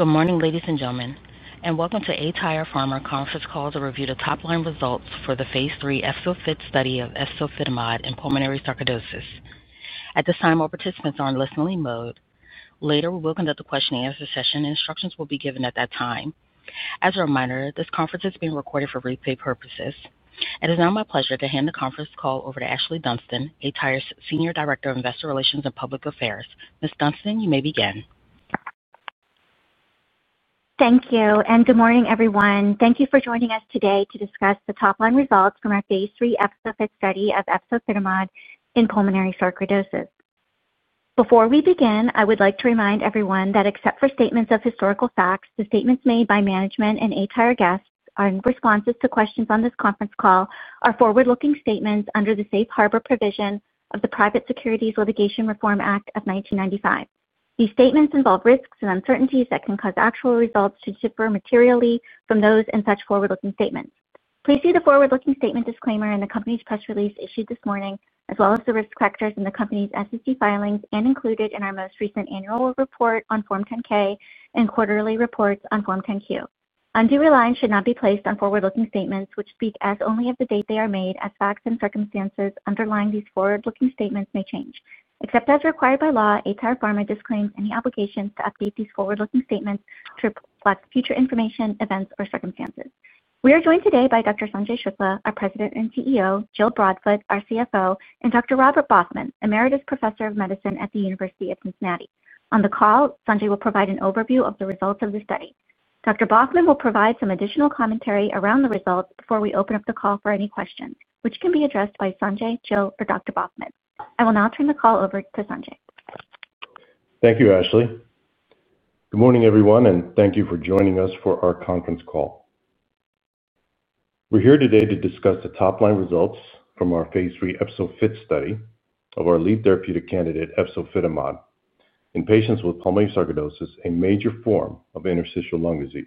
Good morning, ladies and gentlemen, and welcome to aTyr Pharma conference call to review the top-line results for the Phase 3 EFZO-FIT™ study of efzofitimod in pulmonary sarcoidosis. At this time, all participants are in listening mode. Later, we will conduct a question and answer session, and instructions will be given at that time. As a reminder, this conference is being recorded for replay purposes. It is now my pleasure to hand the conference call over to Ashlee Dunston, aTyr Pharma's Senior Director of Investor Relations and Public Affairs. Ms. Dunston, you may begin. Thank you, and good morning, everyone. Thank you for joining us today to discuss the top-line results from our Phase 3 EFZO-FIT™ study of efzofitimod in pulmonary sarcoidosis. Before we begin, I would like to remind everyone that except for statements of historical facts, the statements made by management and aTyr guests in responses to questions on this conference call are forward-looking statements under the Safe Harbor provision of the Private Securities Litigation Reform Act of 1995. These statements involve risks and uncertainties that can cause actual results to differ materially from those in such forward-looking statements. Please see the forward-looking statement disclaimer in the company's press release issued this morning, as well as the risk factors in the company's SEC filings and included in our most recent annual report on Form 10-K and quarterly reports on Form 10-Q. Undue reliance should not be placed on forward-looking statements, which speak only as of the date they are made, as facts and circumstances underlying these forward-looking statements may change. Except as required by law, aTyr Pharma disclaims any obligations to update these forward-looking statements to reflect future information, events, or circumstances. We are joined today by Dr. Sanjay S. Shukla, our President and CEO, Jill Broadfoot, our CFO, and Dr. Robert Baughman, Emeritus Professor of Medicine at the University of Cincinnati. On the call, Sanjay will provide an overview of the results of the study. Dr. Baughman will provide some additional commentary around the results before we open up the call for any questions, which can be addressed by Sanjay, Jill, or Dr. Baughman. I will now turn the call over to Sanjay. Thank you, Ashlee. Good morning, everyone, and thank you for joining us for our conference call. We're here today to discuss the top-line results from our Phase 3 EFZO-FIT™ study of our lead therapeutic candidate, efzofitimod, in patients with pulmonary sarcoidosis, a major form of interstitial lung disease.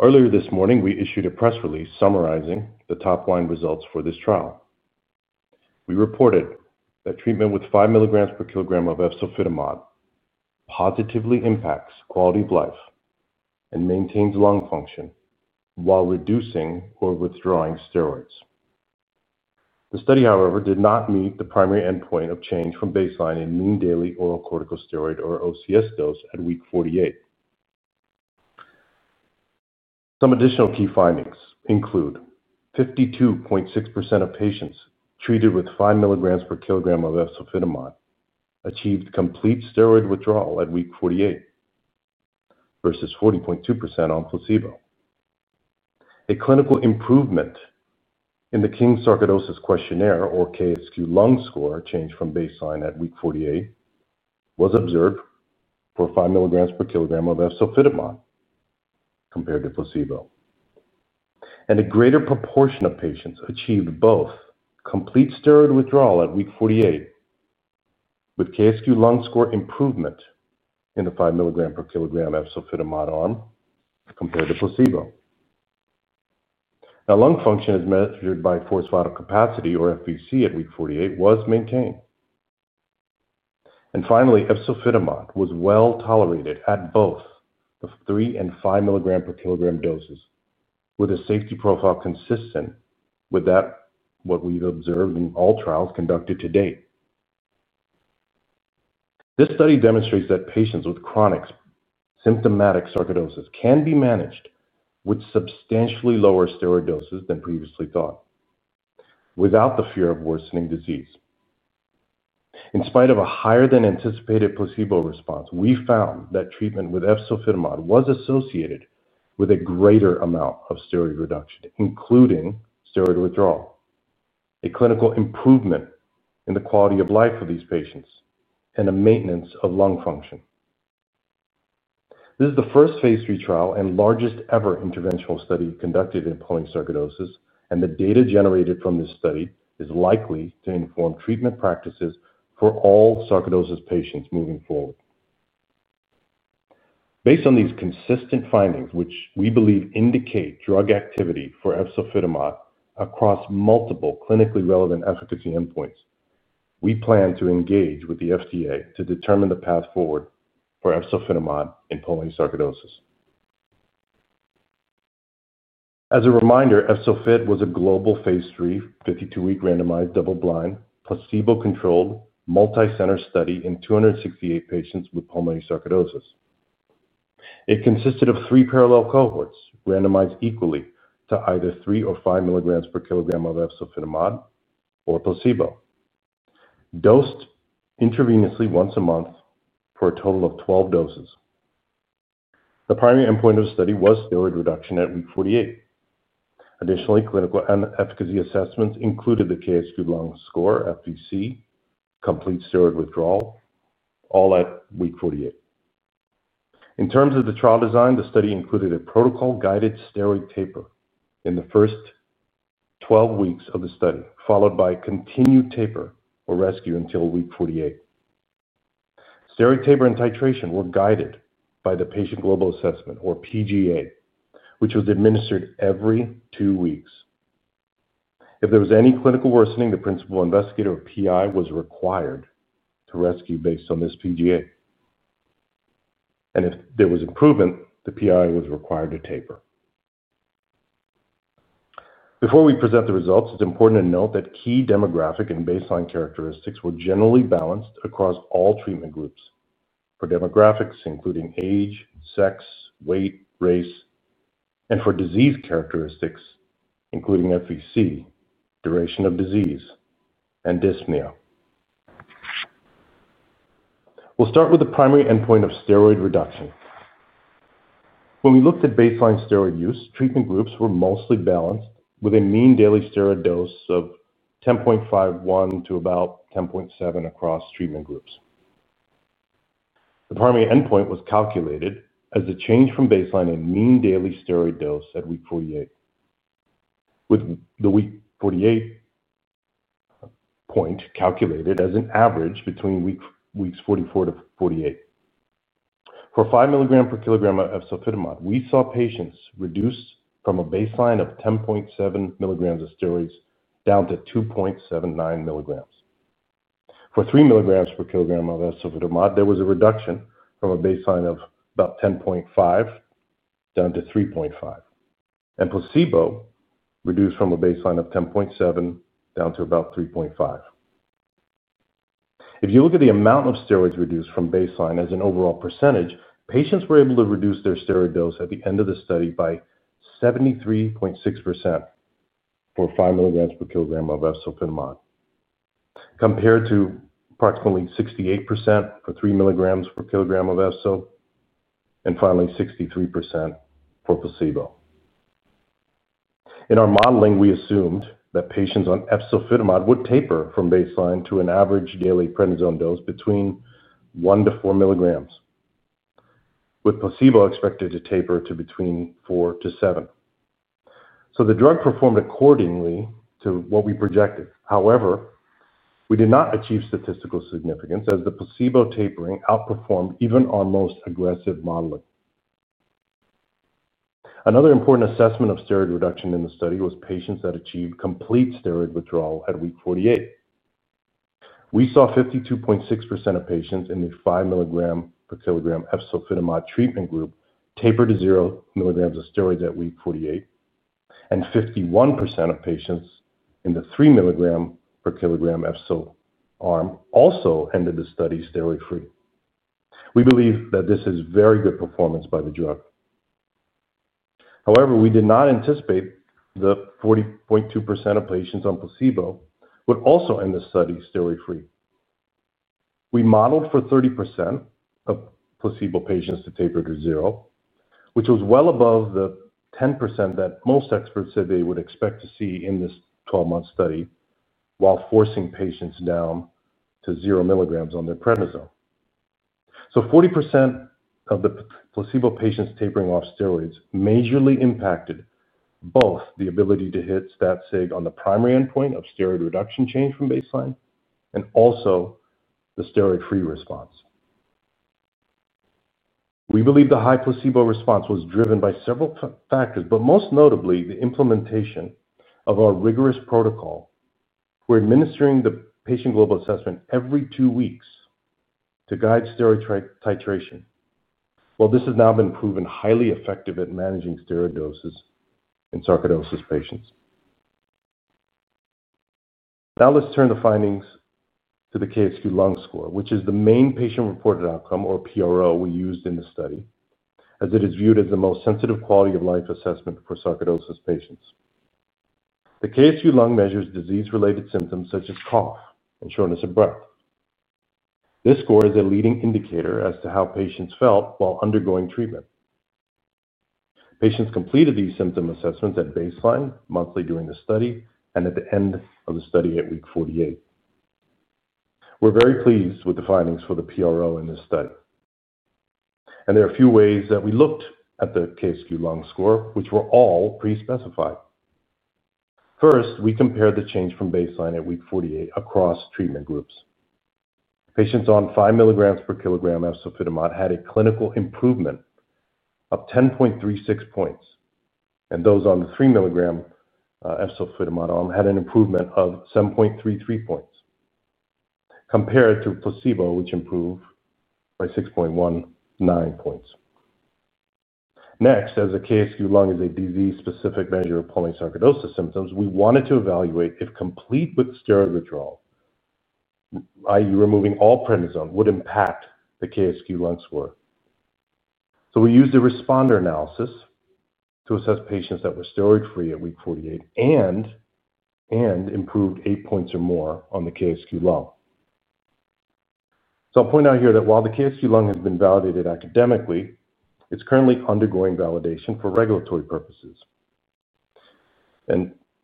Earlier this morning, we issued a press release summarizing the top-line results for this trial. We reported that treatment with 5 mg/kg of efzofitimod positively impacts quality of life and maintains lung function while reducing or withdrawing steroids. The study, however, did not meet the primary endpoint of change from baseline in mean daily oral corticosteroid, or OCS, dose at week 48. Some additional key findings include 52.6% of patients treated with 5 mg/kg of efzofitimod achieved complete steroid withdrawal at week 48, versus 40.2% on placebo. A clinical improvement in the King's Sarcoidosis Questionnaire, or KSQ, Lung Score, change from baseline at week 48 was observed for 5 mg/kg of efzofitimod compared to placebo. A greater proportion of patients achieved both complete steroid withdrawal at week 48 with KSQ Lung Score improvement in the 5 mg/kg efzofitimod arm compared to placebo. Now, lung function as measured by forced vital capacity, or FVC, at week 48 was maintained. Finally, efzofitimod was well tolerated at both the 3 and 5 mg/kg doses, with a safety profile consistent with what we've observed in all trials conducted to date. This study demonstrates that patients with chronic symptomatic sarcoidosis can be managed with substantially lower steroid doses than previously thought without the fear of worsening disease. In spite of a higher than anticipated placebo response, we found that treatment with efzofitimod was associated with a greater amount of steroid reduction, including steroid withdrawal, a clinical improvement in the quality of life for these patients, and a maintenance of lung function. This is the first Phase 3 trial and largest ever interventional study conducted in pulmonary sarcoidosis, and the data generated from this study is likely to inform treatment practices for all sarcoidosis patients moving forward. Based on these consistent findings, which we believe indicate drug activity for efzofitimod across multiple clinically relevant efficacy endpoints, we plan to engage with the FDA to determine the path forward for efzofitimod in pulmonary sarcoidosis. As a reminder, EFZO-FIT™ was a global Phase 3, 52-week randomized, double-blind, placebo-controlled, multicenter study in 268 patients with pulmonary sarcoidosis. It consisted of three parallel cohorts randomized equally to either 3 or 5 mg/kg of efzofitimod or placebo, dosed intravenously once a month for a total of 12 doses. The primary endpoint of the study was steroid reduction at week 48. Additionally, clinical efficacy assessments included the King's Sarcoidosis Questionnaire (KSQ) Lung Score, FVC, complete steroid withdrawal, all at week 48. In terms of the trial design, the study included a protocol-guided steroid taper in the first 12 weeks of the study, followed by continued taper or rescue until week 48. Steroid taper and titration were guided by the Patient Global Assessment, or PGA, which was administered every two weeks. If there was any clinical worsening, the Principal Investigator, or PI, was required to rescue based on this PGA. If there was improvement, the PI was required to taper. Before we present the results, it's important to note that key demographic and baseline characteristics were generally balanced across all treatment groups for demographics, including age, sex, weight, race, and for disease characteristics, including FVC, duration of disease, and dyspnea. We'll start with the primary endpoint of steroid reduction. When we looked at baseline steroid use, treatment groups were mostly balanced with a mean daily steroid dose of 10.51 to about 10.7 across treatment groups. The primary endpoint was calculated as the change from baseline in mean daily steroid dose at week 48, with the week 48 point calculated as an average between weeks 44 to 48. For 5 mg/kg of efzofitimod, we saw patients reduce from a baseline of 10.7 mg of steroids down to 2.79 mg. For 3 mg/kg of efzofitimod, there was a reduction from a baseline of about 10.5 down to 3.5, and placebo reduced from a baseline of 10.7 down to about 3.5. If you look at the amount of steroids reduced from baseline as an overall %, patients were able to reduce their steroid dose at the end of the study by 73.6% for 5 mg/kg of efzofitimod, compared to approximately 68% for 3 mg/kg of efzofitimod, and finally 63% for placebo. In our modeling, we assumed that patients on efzofitimod would taper from baseline to an average daily prednisone dose between 1 to 4 mg, with placebo expected to taper to between 4 to 7. The drug performed accordingly to what we projected. However, we did not achieve statistical significance, as the placebo tapering outperformed even our most aggressive modeling. Another important assessment of steroid reduction in the study was patients that achieved complete steroid withdrawal at week 48. We saw 52.6% of patients in the 5 mg/kg efzofitimod treatment group taper to 0 mg of steroids at week 48, and 51% of patients in the 3 mg/kg efzofitimod arm also ended the study steroid-free. We believe that this is very good performance by the drug. However, we did not anticipate that 40.2% of patients on placebo would also end the study steroid-free. We modeled for 30% of placebo patients to taper to 0, which was well above the 10% that most experts said they would expect to see in this 12-month study, while forcing patients down to 0 mg on their prednisone. 40% of the placebo patients tapering off steroids majorly impacted both the ability to hit stat-sig on the primary endpoint of steroid reduction change from baseline and also the steroid-free response. We believe the high placebo response was driven by several factors, but most notably the implementation of our rigorous protocol for administering the Patient Global Assessment every two weeks to guide steroid titration. This has now been proven highly effective at managing steroid doses in sarcoidosis patients. Now let's turn the findings to the KSQ Lung Score, which is the main patient-reported outcome, or PRO, we used in the study, as it is viewed as the most sensitive quality of life assessment for sarcoidosis patients. The KSQ Lung measures disease-related symptoms such as cough and shortness of breath. This score is a leading indicator as to how patients felt while undergoing treatment. Patients completed these symptom assessments at baseline, monthly during the study, and at the end of the study at week 48. We're very pleased with the findings for the PRO in this study. There are a few ways that we looked at the KSQ Lung Score, which were all pre-specified. First, we compared the change from baseline at week 48 across treatment groups. Patients on 5 mg/kg efzofitimod had a clinical improvement of 10.36 points, and those on the 3 mg efzofitimod arm had an improvement of 7.33 points compared to placebo, which improved by 6.19 points. Next, as the KSQ Lung is a disease-specific measure of pulmonary sarcoidosis symptoms, we wanted to evaluate if complete steroid withdrawal, i.e., removing all prednisone, would impact the KSQ Lung Score. We used a responder analysis to assess patients that were steroid-free at week 48 and improved 8 points or more on the KSQ Lung. I'll point out here that while the KSQ Lung has been validated academically, it's currently undergoing validation for regulatory purposes.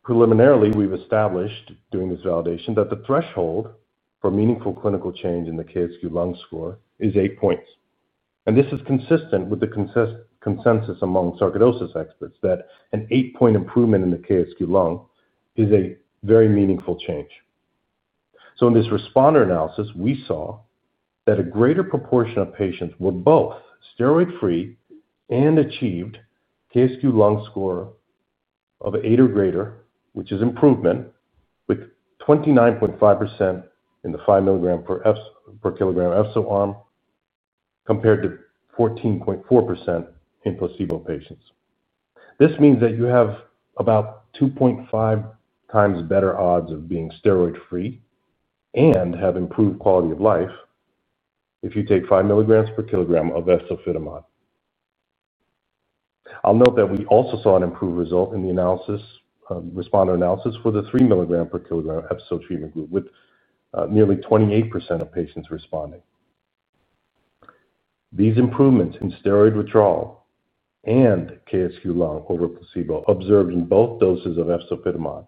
Preliminarily, we've established, doing this validation, that the threshold for meaningful clinical change in the KSQ Lung Score is 8 points. This is consistent with the consensus among sarcoidosis experts that an 8-point improvement in the KSQ Lung is a very meaningful change. In this responder analysis, we saw that a greater proportion of patients were both steroid-free and achieved KSQ Lung Score of 8 or greater, which is improvement, with 29.5% in the 5 mg/kg efzofitimod arm compared to 14.4% in placebo patients. This means that you have about 2.5 times better odds of being steroid-free and have improved quality of life if you take 5 mg/kg of efzofitimod. I'll note that we also saw an improved result in the responder analysis for the 3 mg/kg efzofitimod treatment group, with nearly 28% of patients responding. These improvements in steroid withdrawal and KSQ Lung over placebo observed in both doses of efzofitimod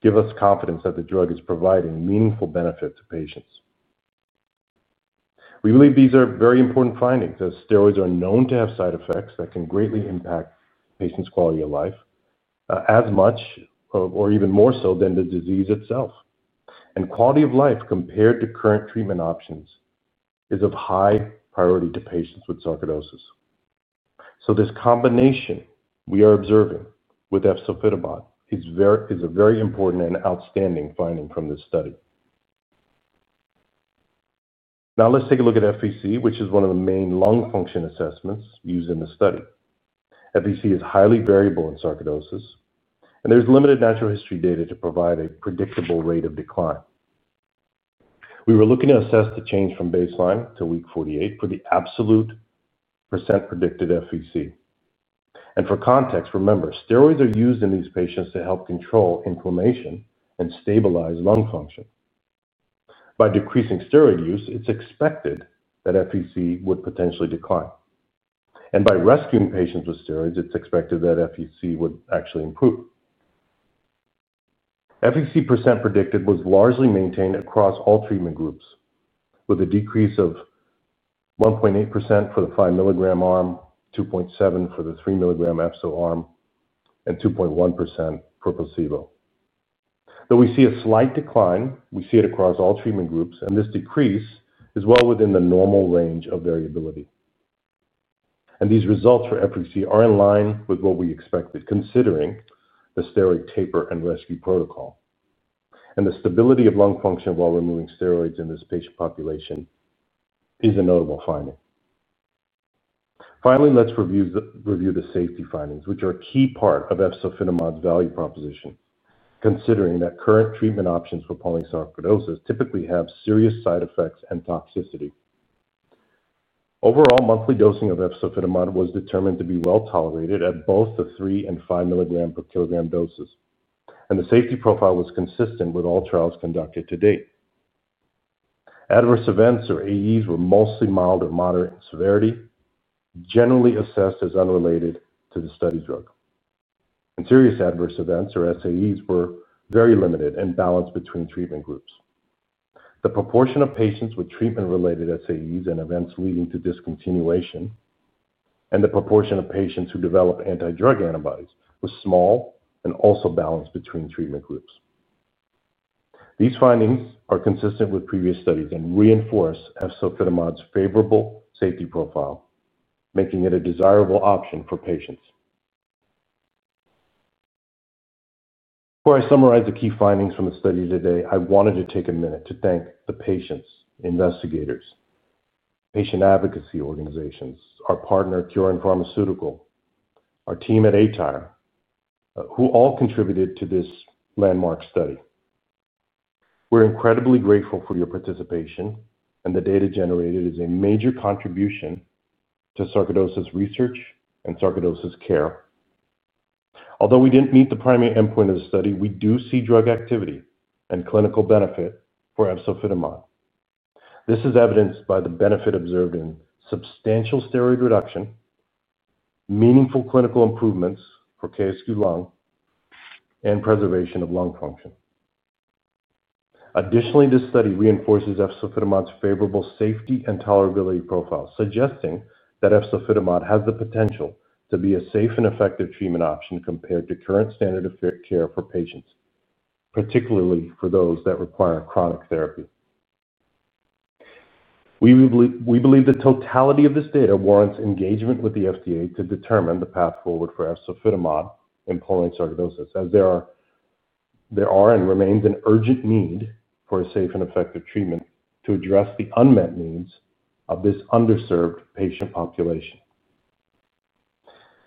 give us confidence that the drug is providing meaningful benefit to patients. We believe these are very important findings, as steroids are known to have side effects that can greatly impact patients' quality of life as much, or even more so, than the disease itself. Quality of life compared to current treatment options is of high priority to patients with sarcoidosis. This combination we are observing with efzofitimod is a very important and outstanding finding from this study. Now let's take a look at FVC, which is one of the main lung function assessments used in the study. FVC is highly variable in sarcoidosis, and there's limited natural history data to provide a predictable rate of decline. We were looking to assess the change from baseline to week 48 for the absolute % predicted FVC. For context, remember, steroids are used in these patients to help control inflammation and stabilize lung function. By decreasing steroid use, it's expected that FVC would potentially decline. By rescuing patients with steroids, it's expected that FVC would actually improve. FVC % predicted was largely maintained across all treatment groups, with a decrease of 1.8% for the 5 mg arm, 2.7% for the 3 mg [efzil] arm, and 2.1% for placebo. Though we see a slight decline, we see it across all treatment groups, and this decrease is well within the normal range of variability. These results for FVC are in line with what we expected, considering the steroid taper and rescue protocol. The stability of lung function while removing steroids in this patient population is a notable finding. Finally, let's review the safety findings, which are a key part of efzofitimod's value proposition, considering that current treatment options for pulmonary sarcoidosis typically have serious side effects and toxicity. Overall, monthly dosing of efzofitimod was determined to be well tolerated at both the 3 mg/kg and 5 mg/kg doses, and the safety profile was consistent with all trials conducted to date. Adverse events, or AEs, were mostly mild to moderate in severity, generally assessed as unrelated to the study drug. Serious adverse events, or SAEs, were very limited and balanced between treatment groups. The proportion of patients with treatment-related SAEs and events leading to discontinuation and the proportion of patients who develop antidrug antibodies was small and also balanced between treatment groups. These findings are consistent with previous studies and reinforce efzofitimod's favorable safety profile, making it a desirable option for patients. Before I summarize the key findings from the study today, I wanted to take a minute to thank the patients, investigators, patient advocacy organizations, our partner, Curin Pharmaceutical, and our team at aTyr Pharma, who all contributed to this landmark study. We're incredibly grateful for your participation, and the data generated is a major contribution to sarcoidosis research and sarcoidosis care. Although we didn't meet the primary endpoint of the study, we do see drug activity and clinical benefit for efzofitimod. This is evidenced by the benefit observed in substantial steroid reduction, meaningful clinical improvements for KSQ Lung, and preservation of lung function. Additionally, this study reinforces efzofitimod's favorable safety and tolerability profile, suggesting that efzofitimod has the potential to be a safe and effective treatment option compared to current standard of care for patients, particularly for those that require chronic therapy. We believe the totality of this data warrants engagement with the FDA to determine the path forward for efzofitimod in pulmonary sarcoidosis, as there are and remains an urgent need for a safe and effective treatment to address the unmet needs of this underserved patient population.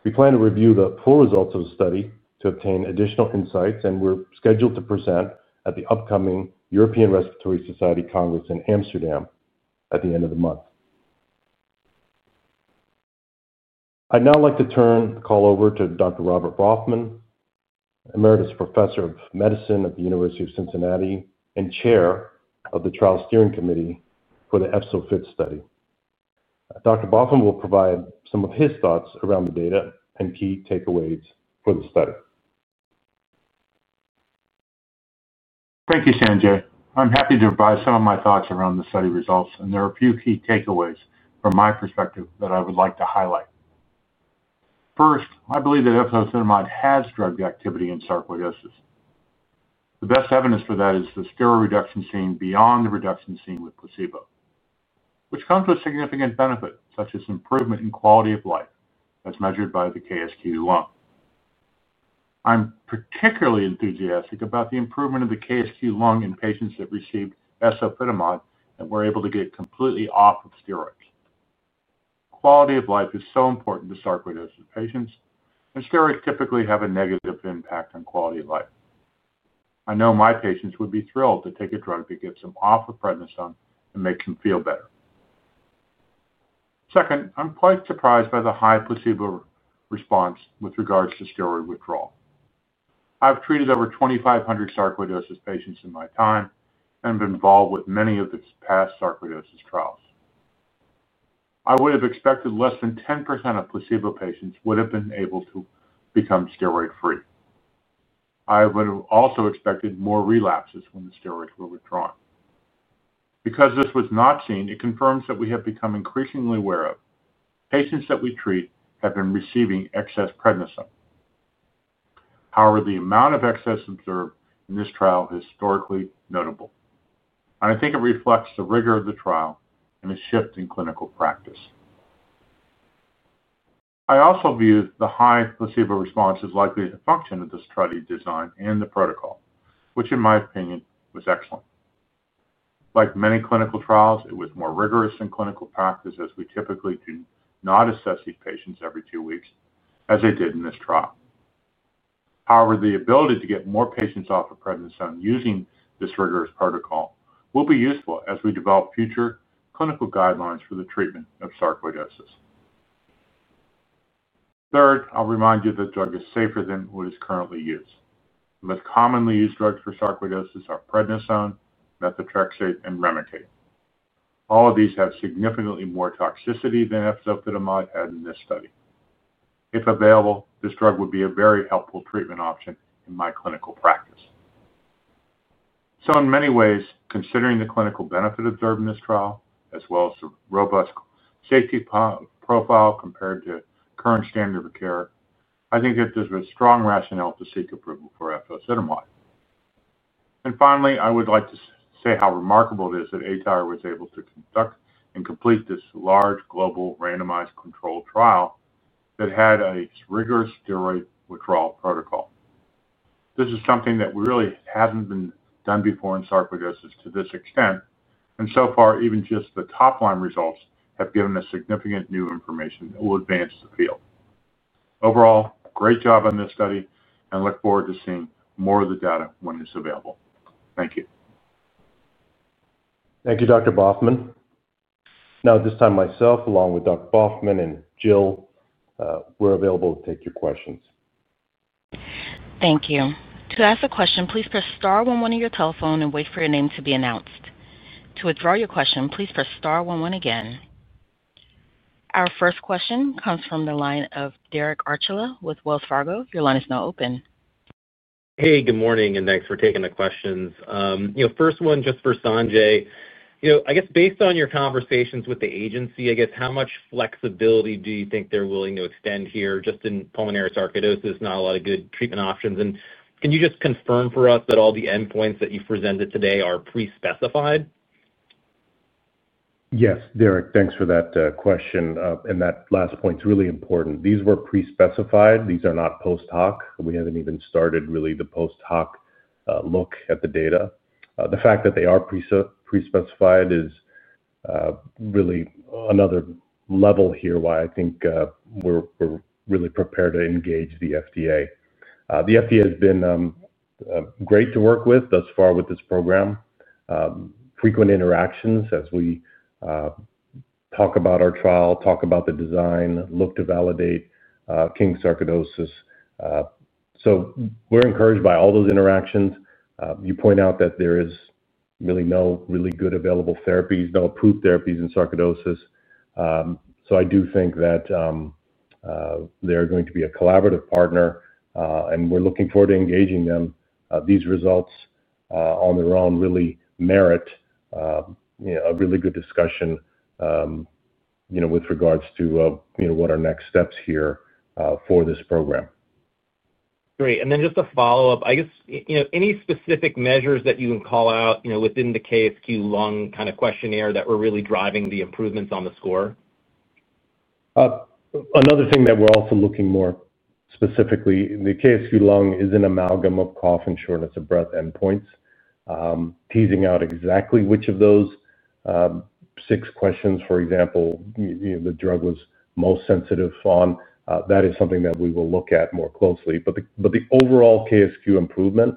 We plan to review the full results of the study to obtain additional insights, and we're scheduled to present at the upcoming European Respiratory Society Congress in Amsterdam at the end of the month. I'd now like to turn the call over to Dr. Robert Baughman, Emeritus Professor of Medicine at the University of Cincinnati and Chair of the Trial Steering Committee for the efzofitimod study. Dr. Baughman will provide some of his thoughts around the data and key takeaways for the study. Thank you, Sanjay. I'm happy to provide some of my thoughts around the study results, and there are a few key takeaways from my perspective that I would like to highlight. First, I believe that efzofitimod has drug activity in sarcoidosis. The best evidence for that is the steroid reduction seen beyond the reduction seen with placebo, which comes with significant benefits, such as improvement in quality of life as measured by the KSQ Lung. I'm particularly enthusiastic about the improvement of the KSQ Lung in patients that received efzofitimod and were able to get completely off of steroids. Quality of life is so important to sarcoidosis patients, and steroids typically have a negative impact on quality of life. I know my patients would be thrilled to take a drug that gets them off of prednisone and makes them feel better. Second, I'm quite surprised by the high placebo response with regards to steroid withdrawal. I've treated over 2,500 sarcoidosis patients in my time and have been involved with many of the past sarcoidosis trials. I would have expected less than 10% of placebo patients would have been able to become steroid-free. I would have also expected more relapses when the steroids were withdrawn. Because this was not seen, it confirms that we have become increasingly aware of patients that we treat have been receiving excess prednisone. However, the amount of excess observed in this trial is historically notable. I think it reflects the rigor of the trial and the shift in clinical practice. I also view the high placebo response as likely a function of the study design and the protocol, which, in my opinion, was excellent. Like many clinical trials, it was more rigorous in clinical practice as we typically do not assess these patients every two weeks, as they did in this trial. However, the ability to get more patients off of prednisone using this rigorous protocol will be useful as we develop future clinical guidelines for the treatment of sarcoidosis. Third, I'll remind you that the drug is safer than what is currently used. The most commonly used drugs for sarcoidosis are prednisone, methotrexate, and Remicade. All of these have significantly more toxicity than efzofitimod as in this study. If available, this drug would be a very helpful treatment option in my clinical practice. In many ways, considering the clinical benefit observed in this trial, as well as the robust safety profile compared to current standard of care, I think that there's a strong rationale to seek approval for efzofitimod. Finally, I would like to say how remarkable it is that aTyr Pharma was able to conduct and complete this large global randomized controlled trial that had a rigorous steroid withdrawal protocol. This is something that really hasn't been done before in sarcoidosis to this extent. So far, even just the top-line results have given us significant new information that will advance the field. Overall, great job on this study, and I look forward to seeing more of the data when it's available. Thank you. Thank you, Dr. Baughman. Now, at this time, myself, along with Dr. Baughman and Jill, we're available to take your questions. Thank you. To ask a question, please press star one one on your telephone and wait for your name to be announced. To withdraw your question, please press star one one again. Our first question comes from the line of Derek Archila with Wells Fargo. Your line is now open. Hey, good morning, and thanks for taking the questions. First one just for Sanjay. Based on your conversations with the agency, how much flexibility do you think they're willing to extend here? Just in pulmonary sarcoidosis, not a lot of good treatment options. Can you just confirm for us that all the endpoints that you presented today are pre-specified? Yes, Derek, thanks for that question. That last point is really important. These were pre-specified. These are not post hoc. We haven't even started really the post hoc look at the data. The fact that they are pre-specified is really another level here why I think we're really prepared to engage the FDA. The FDA has been great to work with thus far with this program. Frequent interactions as we talk about our trial, talk about the design, look to validate King's Sarcoidosis Questionnaire. We're encouraged by all those interactions. You point out that there is really no really good available therapies, no approved therapies in sarcoidosis. I do think that they're going to be a collaborative partner, and we're looking forward to engaging them. These results on their own really merit a really good discussion with regards to what our next steps here for this program. Great. Just a follow-up, I guess, any specific measures that you can call out within the King's Sarcoidosis Questionnaire Lung kind of questionnaire that were really driving the improvements on the score? Another thing that we're also looking more specifically, the KSQ Lung is an amalgam of cough and shortness of breath endpoints. Teasing out exactly which of those six questions, for example, you know, the drug was most sensitive on, that is something that we will look at more closely. The overall KSQ improvement,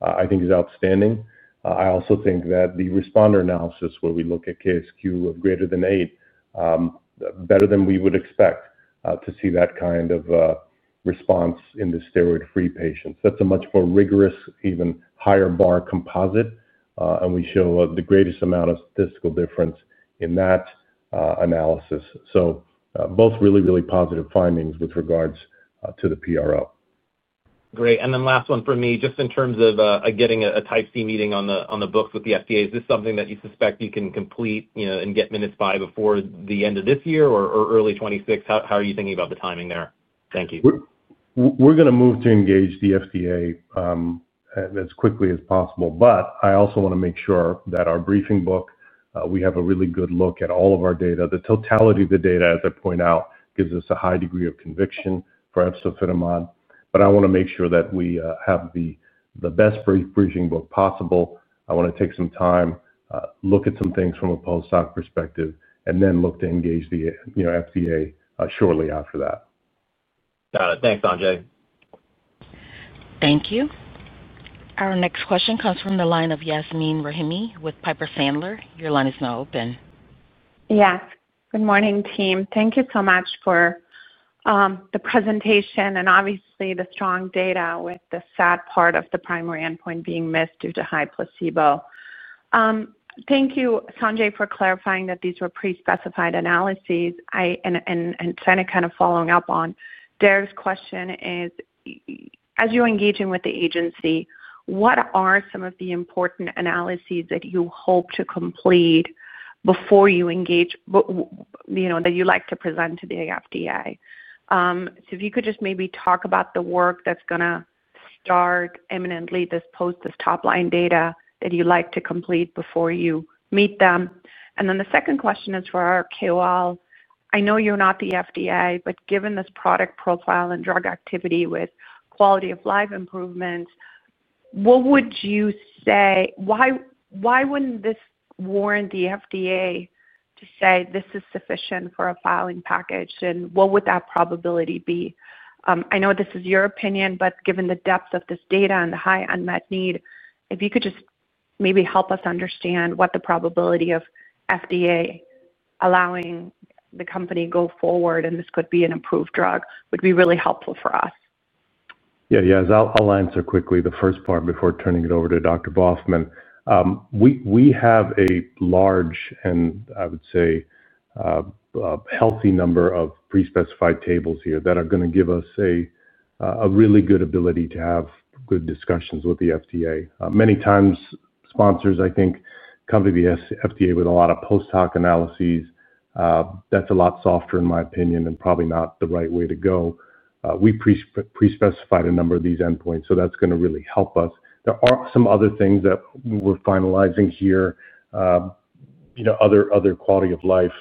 I think, is outstanding. I also think that the responder analysis where we look at KSQ of greater than 8, better than we would expect to see that kind of response in the steroid-free patients. That's a much more rigorous, even higher bar composite, and we show the greatest amount of statistical difference in that analysis. Both really, really positive findings with regards to the PRO. Great. Last one for me, just in terms of getting a Type C meeting on the books with the FDA. Is this something that you suspect you can complete and get minutes by before the end of this year or early 2026? How are you thinking about the timing there? Thank you. We're going to move to engage the FDA as quickly as possible, but I also want to make sure that our briefing book, we have a really good look at all of our data. The totality of the data, as I point out, gives us a high degree of conviction for efzofitimod. I want to make sure that we have the best briefing book possible. I want to take some time, look at some things from a post hoc perspective, and then look to engage the FDA shortly after that. Got it. Thanks, Sanjay. Thank you. Our next question comes from the line of Yasmeen Rahimi with Piper Sandler. Your line is now open. Yes. Good morning, team. Thank you so much for the presentation and obviously the strong data with the sad part of the primary endpoint being missed due to high placebo. Thank you, Sanjay, for clarifying that these were pre-specified analyses. Kind of following up on Derek's question, as you're engaging with the agency, what are some of the important analyses that you hope to complete before you engage, you know, that you like to present to the FDA? If you could just maybe talk about the work that's going to start imminently post this top-line data that you'd like to complete before you meet them. The second question is for our KOL. I know you're not the FDA, but given this product profile and drug activity with quality of life improvements, what would you say? Why wouldn't this warrant the FDA to say this is sufficient for a filing package? What would that probability be? I know this is your opinion, but given the depth of this data and the high unmet need, if you could just maybe help us understand what the probability of FDA allowing the company to go forward, and this could be an approved drug, would be really helpful for us. Yeah, yes. I'll answer quickly the first part before turning it over to Dr. Baughman. We have a large, and I would say, healthy number of pre-specified tables here that are going to give us a really good ability to have good discussions with the FDA. Many times, sponsors, I think, come to the FDA with a lot of post hoc analyses. That's a lot softer, in my opinion, and probably not the right way to go. We pre-specified a number of these endpoints, so that's going to really help us. There are some other things that we're finalizing here. You know, other quality of life,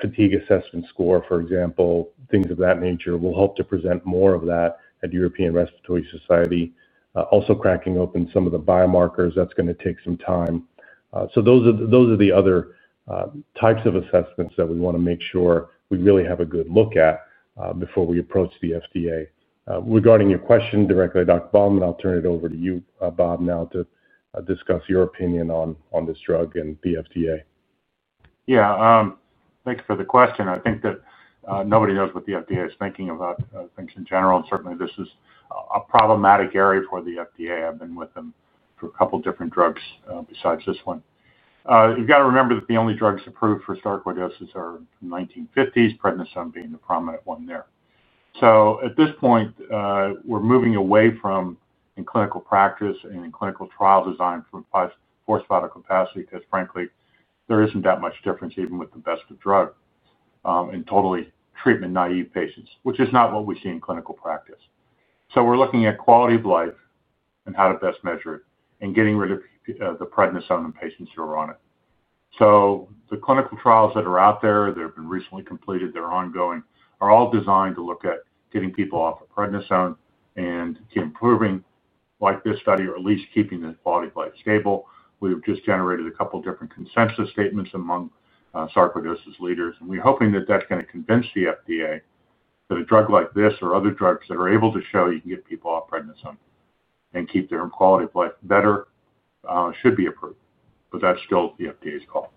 fatigue assessment score, for example, things of that nature, we'll help to present more of that at the European Respiratory Society. Also cracking open some of the biomarkers, that's going to take some time. Those are the other types of assessments that we want to make sure we really have a good look at before we approach the FDA. Regarding your question directly to Dr. Baughman, I'll turn it over to you, Bob, now to discuss your opinion on this drug and the FDA. Yeah. Thanks for the question. I think that nobody knows what the FDA is thinking about things in general, and certainly, this is a problematic area for the FDA. I've been with them for a couple of different drugs besides this one. You've got to remember that the only drugs approved for sarcoidosis are in the 1950s, prednisone being the prominent one there. At this point, we're moving away from, in clinical practice and in clinical trial design, forced vital capacity because, frankly, there isn't that much difference even with the best of drug in totally treatment-naive patients, which is not what we see in clinical practice. We're looking at quality of life and how to best measure it and getting rid of the prednisone in patients who are on it. The clinical trials that are out there that have been recently completed, they're ongoing, are all designed to look at getting people off of prednisone and improving, like this study, or at least keeping the quality of life stable. We've just generated a couple of different consensus statements among sarcoidosis leaders, and we're hoping that that's going to convince the FDA that a drug like this or other drugs that are able to show you can get people off prednisone and keep their quality of life better should be approved. That's still the FDA's call.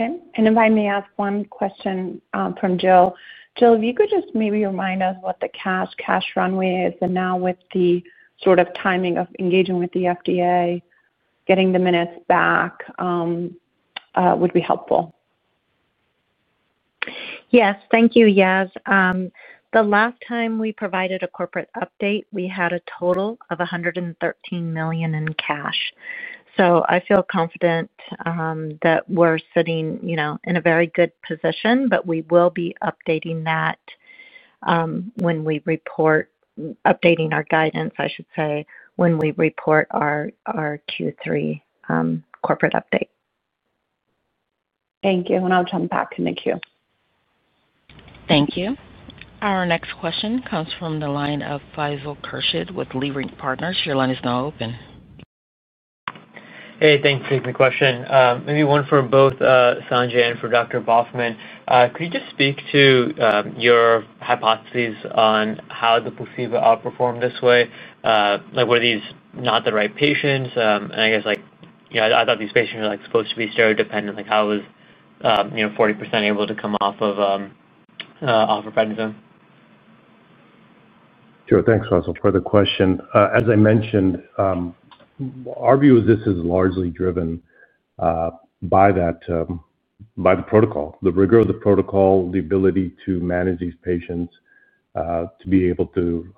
Okay. If I may ask one question from Jill. Jill, if you could just maybe remind us what the cash runway is, and now with the sort of timing of engaging with the FDA, getting the minutes back would be helpful. Yes. Thank you, Yas. The last time we provided a corporate update, we had a total of $113 million in cash. I feel confident that we're sitting in a very good position, but we will be updating that when we report, updating our guidance, I should say, when we report our Q3 corporate update. Thank you. I'll jump back in the queue. Thank you. Our next question comes from the line of Faisal Khurshid with Leerink Partners. Your line is now open. Hey, thanks for taking the question. Maybe one for both Sanjay and for Dr. Baughman. Could you just speak to your hypotheses on how the placebo outperformed this way? Like, were these not the right patients? I guess, like, you know, I thought these patients were like supposed to be steroid dependent. Like, how was 40% able to come off of prednisone? Sure. Thanks, Faisal, for the question. As I mentioned, our view of this is largely driven by the protocol, the rigor of the protocol, the ability to manage these patients to be able to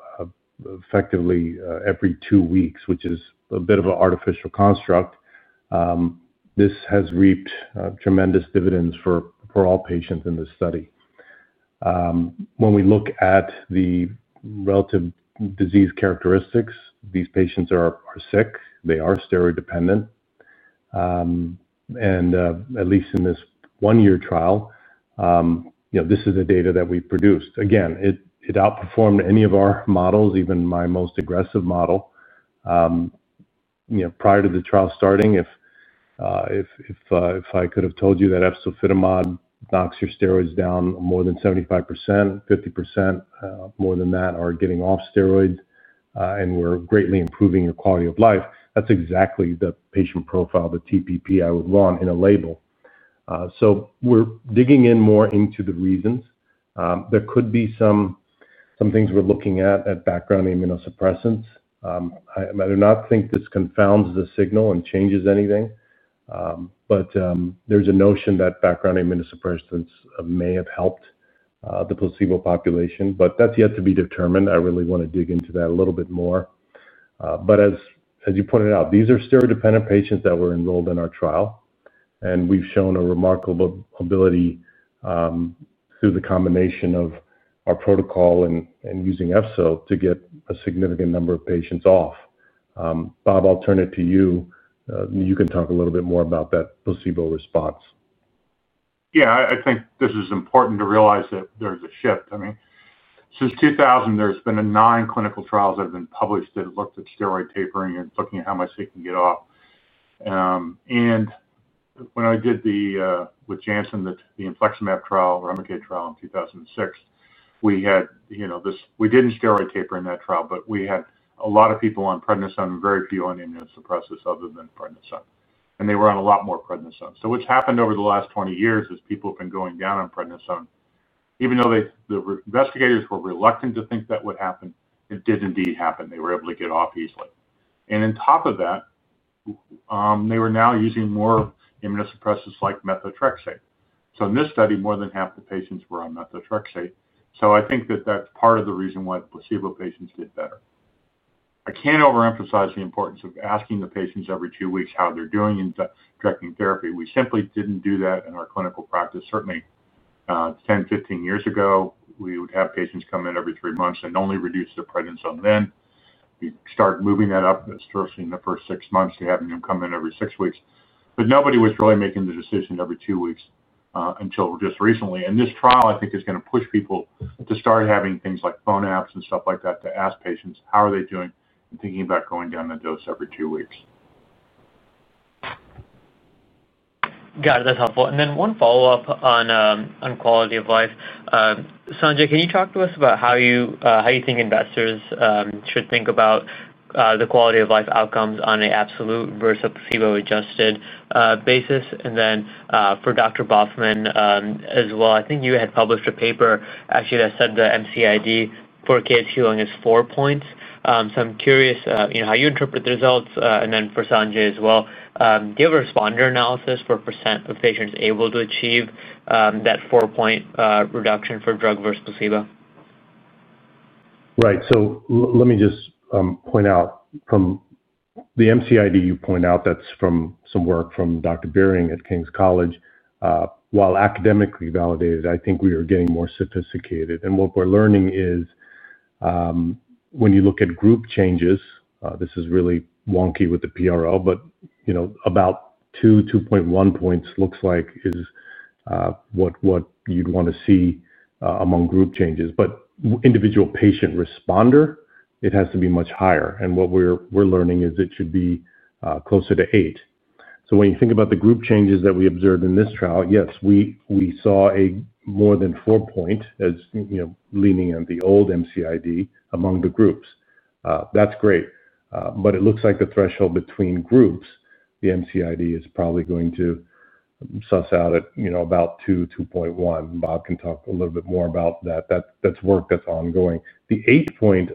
effectively every two weeks, which is a bit of an artificial construct. This has reaped tremendous dividends for all patients in this study. When we look at the relative disease characteristics, these patients are sick. They are steroid dependent. At least in this one-year trial, this is the data that we produced. Again, it outperformed any of our models, even my most aggressive model. Prior to the trial starting, if I could have told you that efzofitimod knocks your steroids down more than 75%, 50% more than that are getting off steroid and we're greatly improving your quality of life, that's exactly the patient profile, the TPP I would want in a label. We're digging in more into the reasons. There could be some things we're looking at, at background immunosuppressants. I do not think this confounds the signal and changes anything, but there's a notion that background immunosuppressants may have helped the placebo population, but that's yet to be determined. I really want to dig into that a little bit more. As you pointed out, these are steroid dependent patients that were enrolled in our trial, and we've shown a remarkable ability through the combination of our protocol and using efzofitimod to get a significant number of patients off. Bob, I'll turn it to you. You can talk a little bit more about that placebo response. Yeah, I think this is important to realize that there's a shift. I mean, since 2000, there's been nine clinical trials that have been published that looked at steroid tapering and looking at how much they can get off. When I did the, with Janssen, the Infliximab trial, Remicade trial in 2006, we had, you know, this, we didn't steroid taper in that trial, but we had a lot of people on prednisone and very few on immunosuppressants other than prednisone. They were on a lot more prednisone. What's happened over the last 20 years is people have been going down on prednisone. Even though the investigators were reluctant to think that would happen, it did indeed happen. They were able to get off easily. On top of that, they were now using more immunosuppressants like methotrexate. In this study, more than half the patients were on methotrexate. I think that that's part of the reason why placebo patients did better. I can't overemphasize the importance of asking the patients every two weeks how they're doing in the directing therapy. We simply didn't do that in our clinical practice. Certainly, 10, 15 years ago, we would have patients come in every three months and only reduce the prednisone then. We started moving that up, especially in the first six months, to having them come in every six weeks. Nobody was really making the decision every two weeks until just recently. This trial, I think, is going to push people to start having things like phone apps and stuff like that to ask patients how are they doing and thinking about going down the dose every two weeks. Got it. That's helpful. One follow-up on quality of life. Sanjay, can you talk to us about how you think investors should think about the quality of life outcomes on an absolute versus placebo-adjusted basis? For Dr. Baughman as well, I think you had published a paper, actually, that said the MCID for KSQ Lung is 4 points. I'm curious how you interpret the results, and for Sanjay as well, do you have a responder analysis for a % of patients able to achieve that 4-point reduction for drug versus placebo? Right. Let me just point out from the MCID you point out, that's from some work from Dr. Behring at King's College. While academically validated, I think we are getting more sophisticated. What we're learning is when you look at group changes, this is really wonky with the PRO, but you know, about 2, 2.1 points looks like is what you'd want to see among group changes. Individual patient responder, it has to be much higher. What we're learning is it should be closer to 8. When you think about the group changes that we observed in this trial, yes, we saw a more than 4 point as, you know, leaning on the old MCID among the groups. That's great. It looks like the threshold between groups, the MCID is probably going to suss out at, you know, about 2, 2.1. Bob can talk a little bit more about that. That's work that's ongoing. The 8 point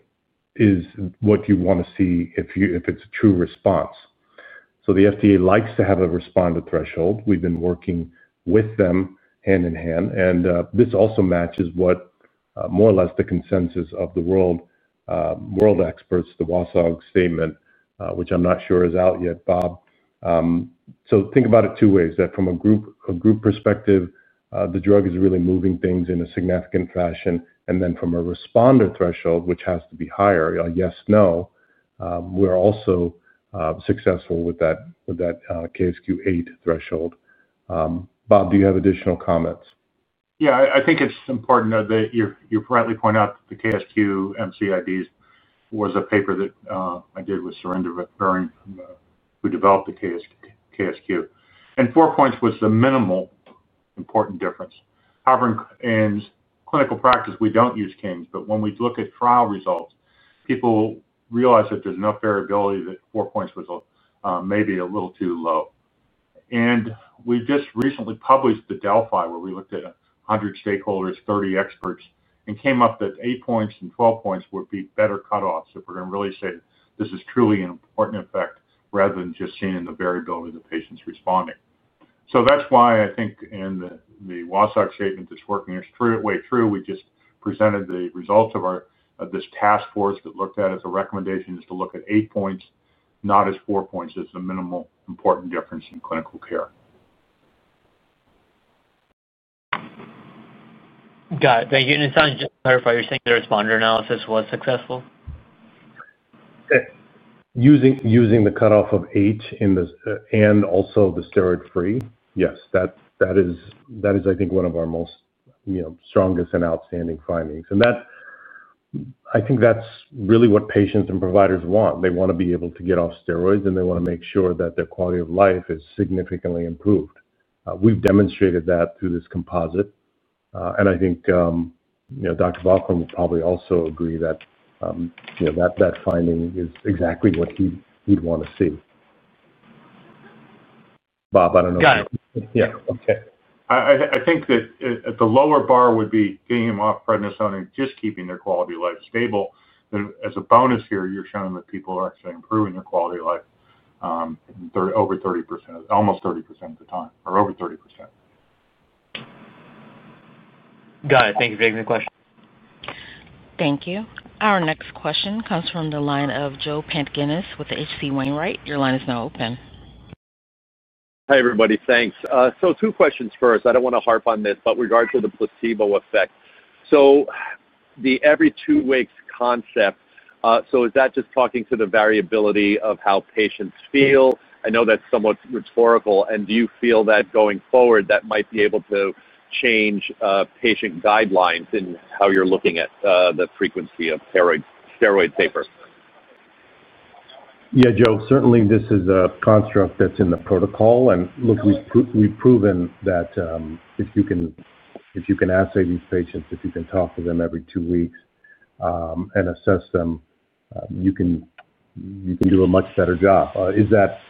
is what you want to see if it's a true response. The FDA likes to have a responder threshold. We've been working with them hand in hand. This also matches what, more or less, the consensus of the world experts, the WASOG statement, which I'm not sure is out yet, Bob. Think about it two ways, that from a group perspective, the drug is really moving things in a significant fashion, and then from a responder threshold, which has to be higher, yes, no, we're also successful with that KSQ 8 threshold. Bob, do you have additional comments? Yeah, I think it's important that you're rightly pointing out that the King's Sarcoidosis Questionnaire minimal clinically important difference was a paper that I did with Surinder Birring, who developed the King's Sarcoidosis Questionnaire. Four points was the minimal important difference. However, in clinical practice, we don't use King's, but when we look at trial results, people realize that there's enough variability that 4 points was maybe a little too low. We just recently published the Delphi where we looked at 100 stakeholders, 30 experts, and came up that 8 points and 12 points would be better cutoffs if we're going to really say that this is truly an important effect rather than just seeing the variability of the patients responding. That's why I think in the WASOG statement that's working its way through, we just presented the results of this task force that looked at it. The recommendation is to look at 8 points, not at 4 points. It's the minimal important difference in clinical care. Got it. Thank you. Just to clarify, you're saying the responder analysis was successful? Using the cutoff of 8 and also the steroid-free, yes. That is, I think, one of our most, you know, strongest and outstanding findings. That's really what patients and providers want. They want to be able to get off steroids, and they want to make sure that their quality of life is significantly improved. We've demonstrated that through this composite. I think Dr. Baughman would probably also agree that finding is exactly what he'd want to see. Bob, I don't know if you're. Got it. Yeah. Okay. I think that at the lower bar would be getting them off prednisone and just keeping their quality of life stable. As a bonus here, you're showing that people are actually improving their quality of life, over 30%, almost 30% of the time, or over 30%. Got it. Thank you for taking the question. Thank you. Our next question comes from the line of Joe Pantginis with HC Wainwright. Your line is now open. Hi, everybody. Thanks. Two questions. First, I don't want to harp on this, but regarding the placebo effect, the every two weeks concept, is that just talking to the variability of how patients feel? I know that's somewhat rhetorical. Do you feel that going forward, that might be able to change patient guidelines in how you're looking at the frequency of steroid taper? Yeah, Joe, certainly, this is a construct that's in the protocol. Look, we've proven that if you can assay these patients, if you can talk to them every two weeks and assess them, you can do a much better job. Is that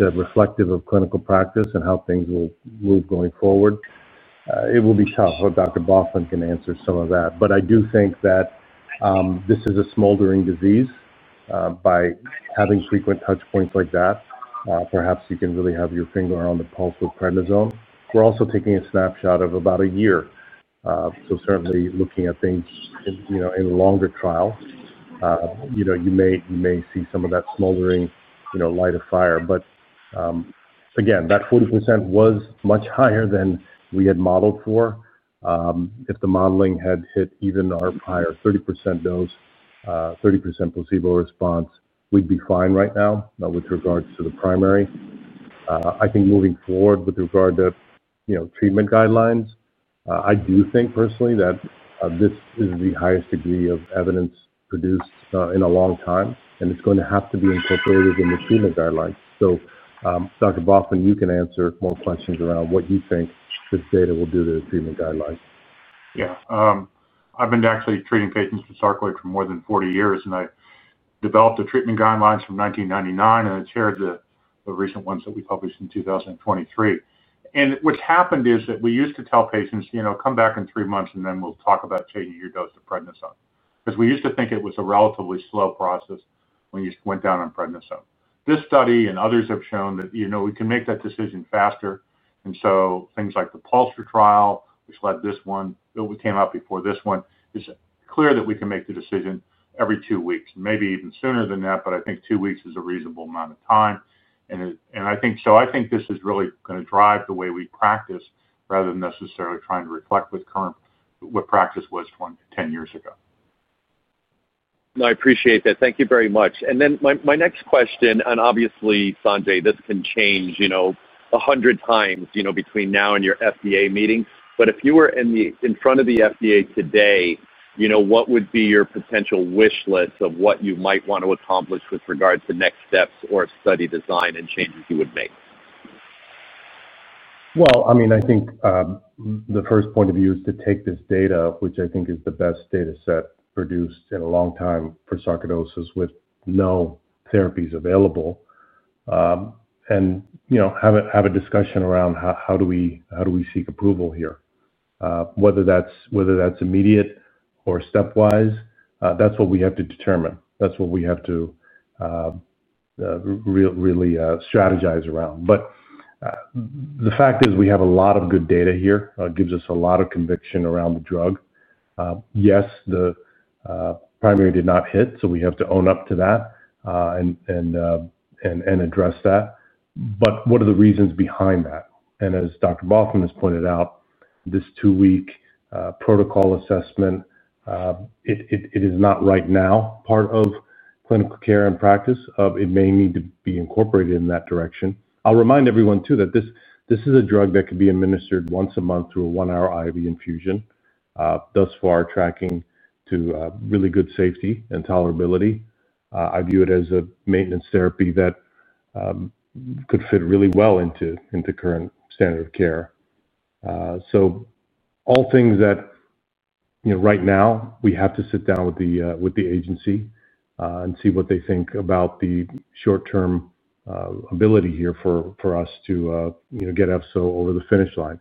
reflective of clinical practice and how things will move going forward? It will be tough if Dr. Baughman can answer some of that. I do think that this is a smoldering disease. By having frequent touch points like that, perhaps you can really have your finger on the pulse with prednisone. We're also taking a snapshot of about a year. Certainly, looking at things in a longer trial, you may see some of that smoldering light of fire. Again, that 40% was much higher than we had modeled for. If the modeling had hit even our higher 30% dose, 30% placebo response, we'd be fine right now with regards to the primary. I think moving forward with regard to treatment guidelines, I do think personally that this is the highest degree of evidence produced in a long time, and it's going to have to be incorporated in the treatment guidelines. Dr. Baughman, you can answer more questions around what you think this data will do to the treatment guidelines. Yeah. I've been actually treating patients with sarcoid for more than 40 years, and I developed the treatment guidelines from 1999, and I chaired the recent ones that we published in 2023. What's happened is that we used to tell patients, you know, come back in three months, and then we'll talk about changing your dose to prednisone. We used to think it was a relatively slow process when you went down on prednisone. This study and others have shown that, you know, we can make that decision faster. Things like the Pulsar trial, which led this one, it came out before this one, it's clear that we can make the decision every two weeks, maybe even sooner than that, but I think two weeks is a reasonable amount of time. I think this is really going to drive the way we practice rather than necessarily trying to reflect what practice was from 10 years ago. I appreciate that. Thank you very much. My next question, and obviously, Sanjay, this can change 100 times between now and your FDA meeting. If you were in front of the FDA today, what would be your potential wish list of what you might want to accomplish with regard to next steps or study design and changes you would make? I think the first point of view is to take this data, which I think is the best data set produced in a long time for sarcoidosis with no therapies available, and have a discussion around how do we seek approval here. Whether that's immediate or stepwise, that's what we have to determine. That's what we have to really strategize around. The fact is we have a lot of good data here. It gives us a lot of conviction around the drug. Yes, the primary did not hit, so we have to own up to that and address that. What are the reasons behind that? As Dr. Baughman has pointed out, this two-week protocol assessment is not right now part of clinical care and practice. It may need to be incorporated in that direction. I'll remind everyone too that this is a drug that could be administered once a month through a one-hour IV infusion. Thus far, tracking to really good safety and tolerability. I view it as a maintenance therapy that could fit really well into the current standard of care. All things that, right now, we have to sit down with the agency and see what they think about the short-term ability here for us to get efzofitimod over the finish line.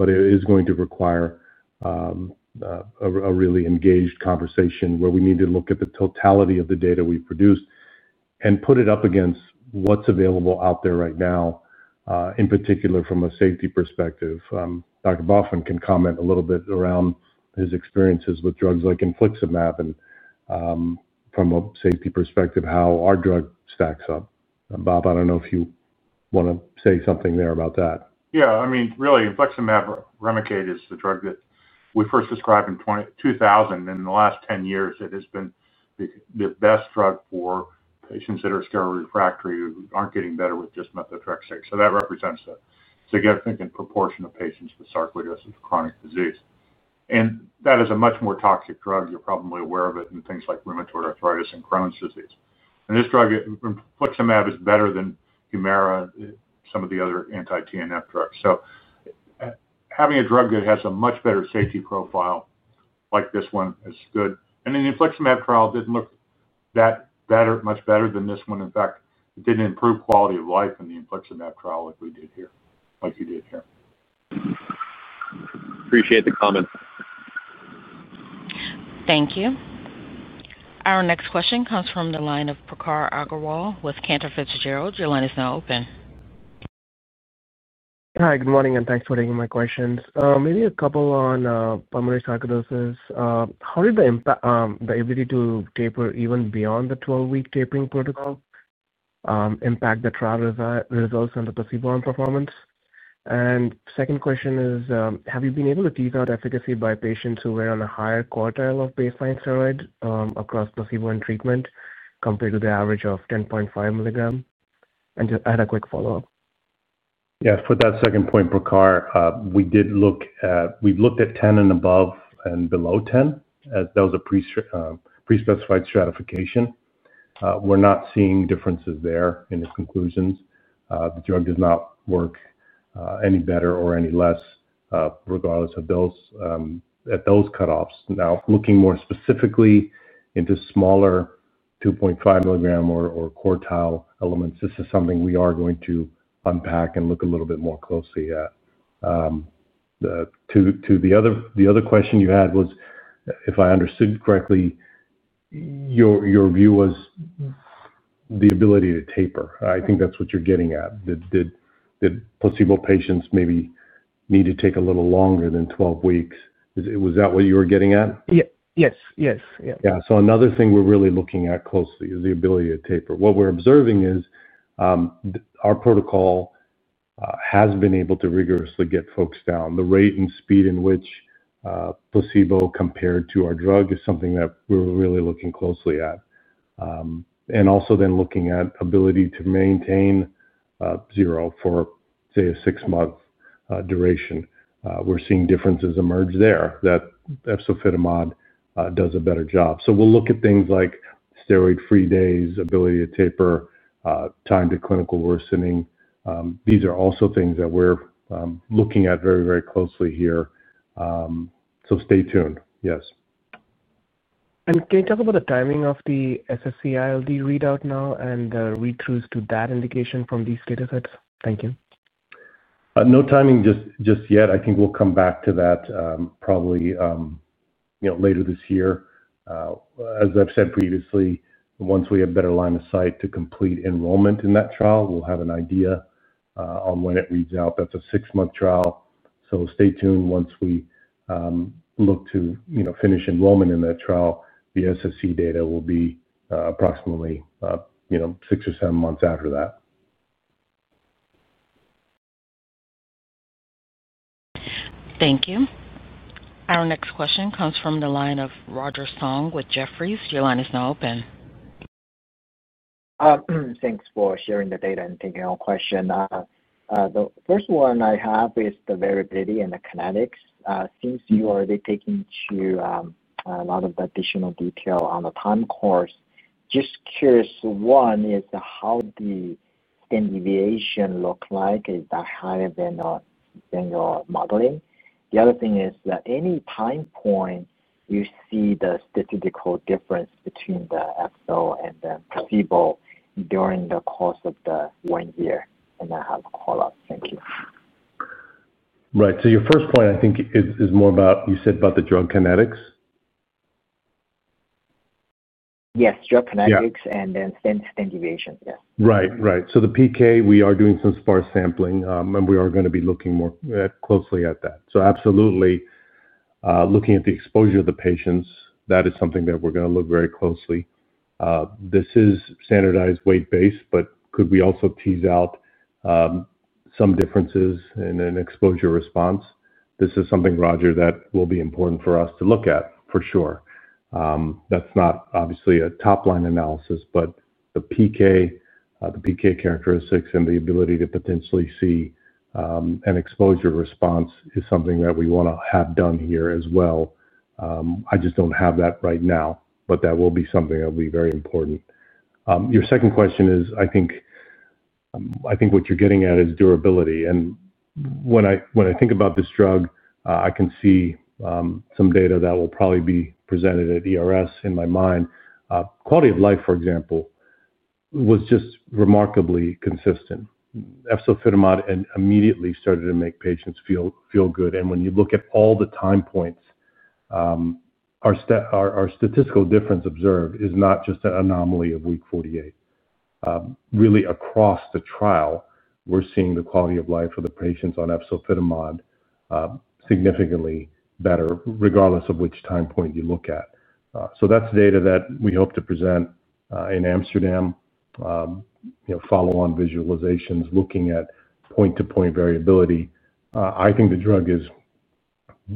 It is going to require a really engaged conversation where we need to look at the totality of the data we've produced and put it up against what's available out there right now, in particular from a safety perspective. Dr. Baughman can comment a little bit around his experiences with drugs like Infliximab and from a safety perspective, how our drug stacks up. Bob, I don't know if you want to say something there about that. Yeah. I mean, really, Infliximab, Remicade is the drug that we first described in 2000, and in the last 10 years, it has been the best drug for patients that are steroid refractory who aren't getting better with just methotrexate. That represents a significant proportion of patients with sarcoidosis chronic disease. It is a much more toxic drug. You're probably aware of it in things like rheumatoid arthritis and Crohn's disease. This drug, Infliximab, is better than Humira, some of the other anti-TNF drugs. Having a drug that has a much better safety profile like this one is good. In the Infliximab trial, it didn't look that much better than this one. In fact, it didn't improve quality of life in the Infliximab trial like we did here, like you did here. Appreciate the comment. Thank you. Our next question comes from the line of Prakhar Agrawal with Cantor Fitzgerald. Your line is now open. Hi. Good morning, and thanks for taking my questions. Maybe a couple on pulmonary sarcoidosis. How did the ability to taper even beyond the 12-week tapering protocol impact the trial results and the placebo and performance? The second question is, have you been able to tease out efficacy by patients who were on a higher quartile of baseline steroid across placebo and treatment compared to the average of 10.5 mg? Just add a quick follow-up. Yes. For that second point, Prakhar, we did look at, we've looked at 10 and above and below 10 as those are pre-specified stratification. We're not seeing differences there in the conclusions. The drug does not work any better or any less regardless of those cutoffs. Now, looking more specifically into smaller 2.5 mg or quartile elements, this is something we are going to unpack and look a little bit more closely at. The other question you had was, if I understood correctly, your view was the ability to taper. I think that's what you're getting at. Did placebo patients maybe need to take a little longer than 12 weeks? Was that what you were getting at? Yes. Yes. Yes. Yeah. Another thing we're really looking at closely is the ability to taper. What we're observing is our protocol has been able to rigorously get folks down. The rate and speed in which placebo compared to our drug is something that we're really looking closely at. We're also looking at the ability to maintain 0 for, say, a six-month duration. We're seeing differences emerge there that efzofitimod does a better job. We'll look at things like steroid-free days, ability to taper, time to clinical worsening. These are also things that we're looking at very, very closely here. Stay tuned. Yes. Can you talk about the timing of the SSC ILD readout now and the read-throughs to that indication from these data sets? Thank you. No timing just yet. I think we'll come back to that probably later this year. As I've said previously, once we have a better line of sight to complete enrollment in that trial, we'll have an idea on when it reads out. That's a six-month trial. Stay tuned. Once we look to finish enrollment in that trial, the SSC data will be approximately six or seven months after that. Thank you. Our next question comes from the line of Roger Song with Jefferies. Your line is now open. Thanks for sharing the data and taking on questions. The first one I have is the variability and the kinetics. Since you are already taking to a lot of additional detail on the time course, just curious, one is how the deviation looks like. Is that higher than your modeling? The other thing is, at any time point, do you see the statistical difference between the EXO and the placebo during the course of the one year? I have a follow-up. Thank you. Right. Your first point, I think, is more about, you said about the drug kinetics? Yes, drug kinetics and then standard deviations. Right. The PK, we are doing some sparse sampling, and we are going to be looking more closely at that. Absolutely, looking at the exposure of the patients, that is something that we're going to look at very closely. This is standardized weight-based, but could we also tease out some differences in an exposure response? This is something, Roger, that will be important for us to look at for sure. That is not obviously a top-line analysis, but the PK characteristics and the ability to potentially see an exposure response is something that we want to have done here as well. I just don't have that right now, but that will be something that will be very important. Your second question is, I think what you're getting at is durability. When I think about this drug, I can see some data that will probably be presented at ERS in my mind. Quality of life, for example, was just remarkably consistent. Efzofitimod immediately started to make patients feel good. When you look at all the time points, our statistical difference observed is not just an anomaly of week 48. Really, across the trial, we're seeing the quality of life of the patients on efzofitimod significantly better, regardless of which time point you look at. That is data that we hope to present in Amsterdam, follow-on visualizations looking at point-to-point variability. I think the drug is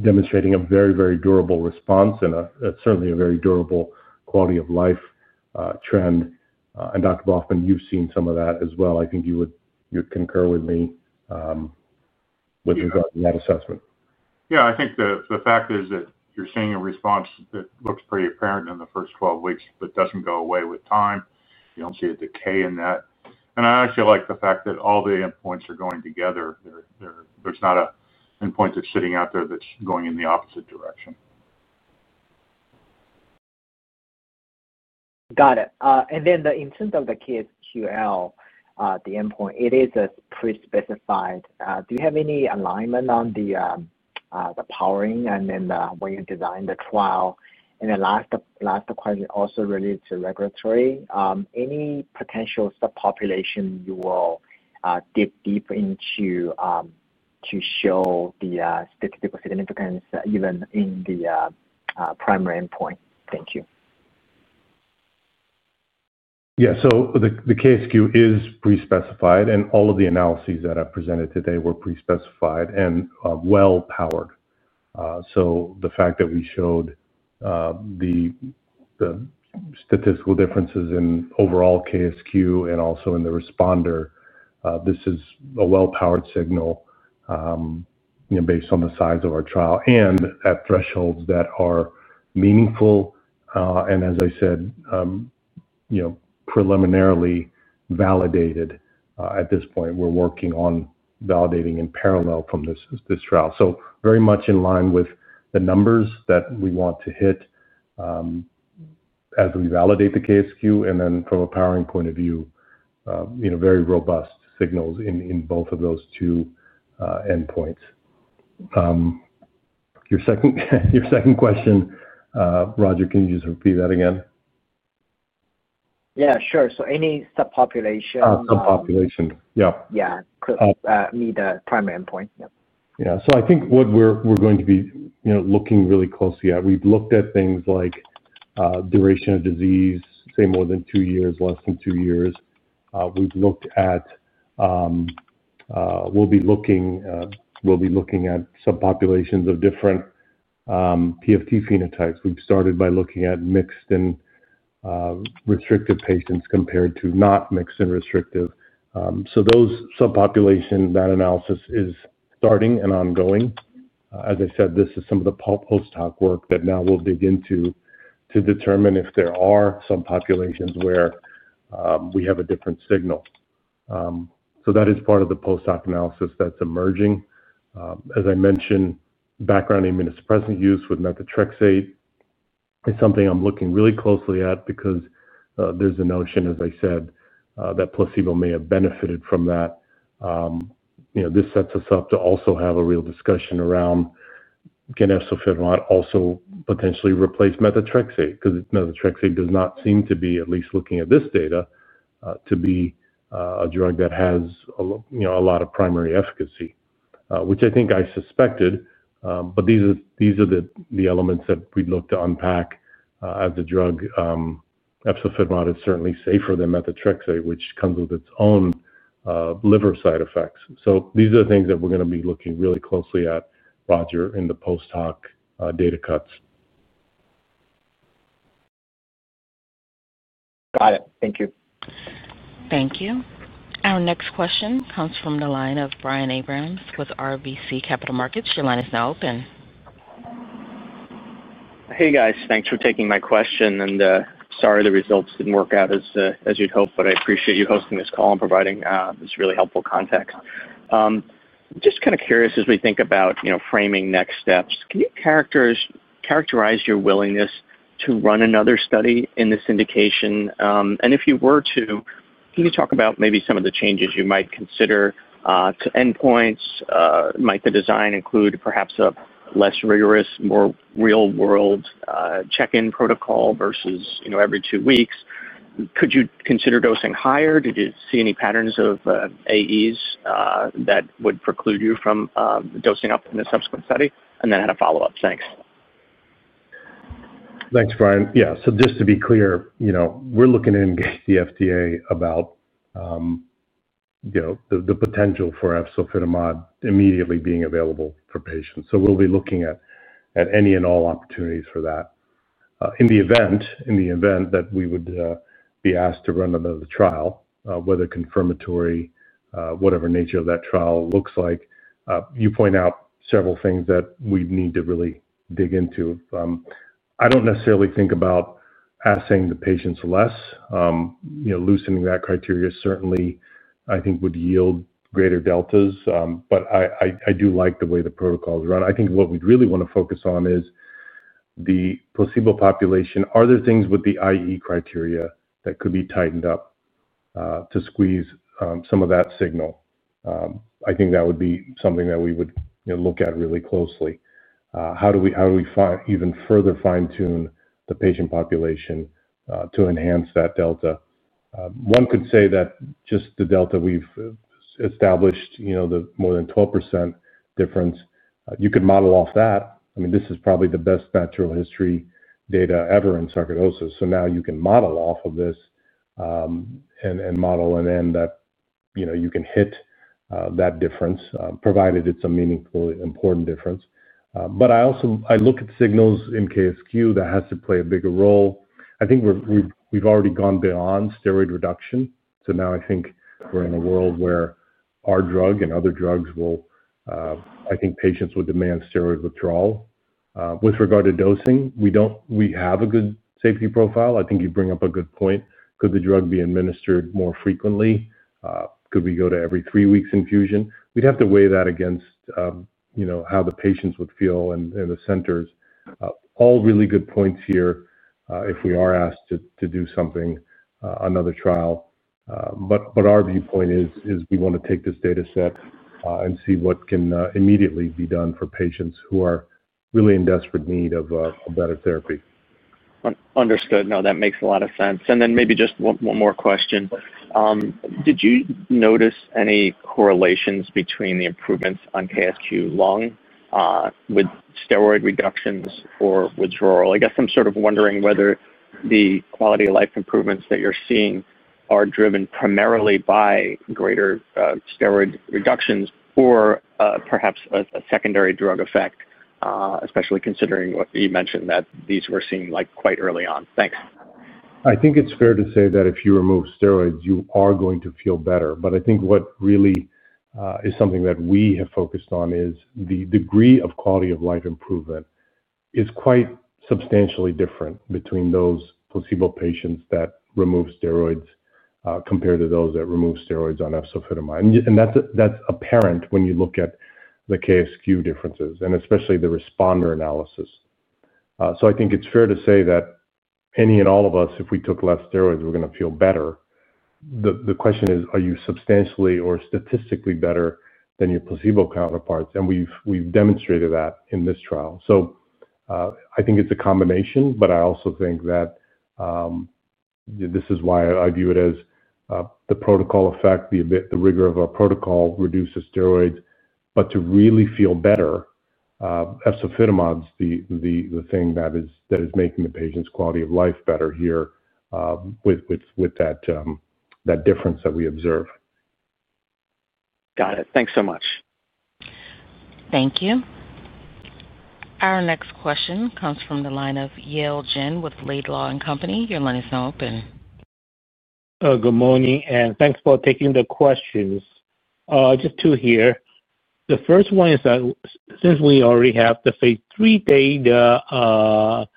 demonstrating a very, very durable response and certainly a very durable quality of life trend. Dr. Baughman, you've seen some of that as well. I think you would concur with me with regard to that assessment. I think the fact is that you're seeing a response that looks pretty apparent in the first 12 weeks but doesn't go away with time. You don't see a decay in that. I actually like the fact that all the endpoints are going together. There's not an endpoint that's sitting out there that's going in the opposite direction. Got it. The incidence of the King's Sarcoidosis Questionnaire, the endpoint, it is pre-specified. Do you have any alignment on the powering and the way you designed the trial? The last question also relates to regulatory. Any potential subpopulation you will dig deep into to show the statistical significance even in the primary endpoint? Thank you. The King's Sarcoidosis Questionnaire (KSQ) is pre-specified, and all of the analyses that I presented today were pre-specified and well-powered. The fact that we showed the statistical differences in overall KSQ and also in the responder, this is a well-powered signal based on the size of our trial and at thresholds that are meaningful. As I said, you know, preliminarily validated at this point. We're working on validating in parallel from this trial. Very much in line with the numbers that we want to hit as we validate the KSQ. From a powering point of view, you know, very robust signals in both of those two endpoints. Your second question, Roger, can you just repeat that again? Yeah, sure. Any subpopulation? Subpopulation, yeah. Yeah, need a primary endpoint. Yeah. I think what we're going to be looking really closely at, we've looked at things like duration of disease, say more than two years, less than two years. We've looked at, we'll be looking at subpopulations of different PFT phenotypes. We've started by looking at mixed and restrictive patients compared to not mixed and restrictive. Those subpopulations, that analysis is starting and ongoing. As I said, this is some of the post hoc work that now we'll dig into to determine if there are some populations where we have a different signal. That is part of the post hoc analysis that's emerging. As I mentioned, background immunosuppressant use with methotrexate is something I'm looking really closely at because there's a notion, as I said, that placebo may have benefited from that. This sets us up to also have a real discussion around can efzofitimod also potentially replace methotrexate? Methotrexate does not seem to be, at least looking at this data, to be a drug that has a lot of primary efficacy, which I think I suspected. These are the elements that we'd look to unpack as a drug. Efzofitimod is certainly safer than methotrexate, which comes with its own liver side effects. These are the things that we're going to be looking really closely at, Roger, in the post hoc data cuts. Got it. Thank you. Thank you. Our next question comes from the line of Brian Abrahams with RBC Capital Markets. Your line is now open. Hey, guys. Thanks for taking my question. Sorry the results didn't work out as you'd hoped, but I appreciate you hosting this call and providing this really helpful context. Just kind of curious, as we think about framing next steps, can you characterize your willingness to run another study in this indication? If you were to, can you talk about maybe some of the changes you might consider to endpoints? Might the design include perhaps a less rigorous, more real-world check-in protocol versus, you know, every two weeks? Could you consider dosing higher? Did you see any patterns of AEs that would preclude you from dosing up in a subsequent study? I had a follow-up. Thanks. Thanks, Brian. Yeah. Just to be clear, we're looking to engage the FDA about the potential for efzofitimod immediately being available for patients. We'll be looking at any and all opportunities for that. In the event that we would be asked to run another trial, whether confirmatory, whatever nature of that trial looks like, you point out several things that we'd need to really dig into. I don't necessarily think about assaying the patients less. Loosening that criteria certainly, I think, would yield greater deltas. I do like the way the protocol is run. What we'd really want to focus on is the placebo population. Are there things with the IE criteria that could be tightened up to squeeze some of that signal? That would be something that we would look at really closely. How do we even further fine-tune the patient population to enhance that delta? One could say that just the delta we've established, the more than 12% difference, you could model off that. This is probably the best natural history data ever in sarcoidosis. Now you can model off of this and model an end that you can hit that difference, provided it's a meaningfully important difference. I also look at signals in KSQ that have to play a bigger role. I think we've already gone beyond steroid reduction. Now I think we're in a world where our drug and other drugs will, I think, patients will demand steroid withdrawal. With regard to dosing, we have a good safety profile. I think you bring up a good point. Could the drug be administered more frequently? Could we go to every three weeks infusion? We'd have to weigh that against how the patients would feel and the centers. All really good points here if we are asked to do something, another trial. Our viewpoint is we want to take this data set and see what can immediately be done for patients who are really in desperate need of a better therapy. Understood. That makes a lot of sense. Maybe just one more question. Did you notice any correlations between the improvements on KSQ Lung with steroid reductions or withdrawal? I guess I'm sort of wondering whether the quality of life improvements that you're seeing are driven primarily by greater steroid reductions or perhaps a secondary drug effect, especially considering what you mentioned that these were seen quite early on. Thanks. I think it's fair to say that if you remove steroids, you are going to feel better. I think what really is something that we have focused on is the degree of quality of life improvement is quite substantially different between those placebo patients that remove steroids compared to those that remove steroids on efzofitimod. That's apparent when you look at the KSQ differences and especially the responder analysis. I think it's fair to say that any and all of us, if we took less steroids, we're going to feel better. The question is, are you substantially or statistically better than your placebo counterparts? We've demonstrated that in this trial. I think it's a combination, but I also think that this is why I view it as the protocol effect, the rigor of our protocol reduces steroids. To really feel better, efzofitimod is the thing that is making the patient's quality of life better here with that difference that we observe. Got it. Thanks so much. Thank you. Our next question comes from the line of Yale Jen with Laidlaw & Co. Your line is now open. Good morning, and thanks for taking the questions. Just two here. The first one is that since we already have the Phase 3 data,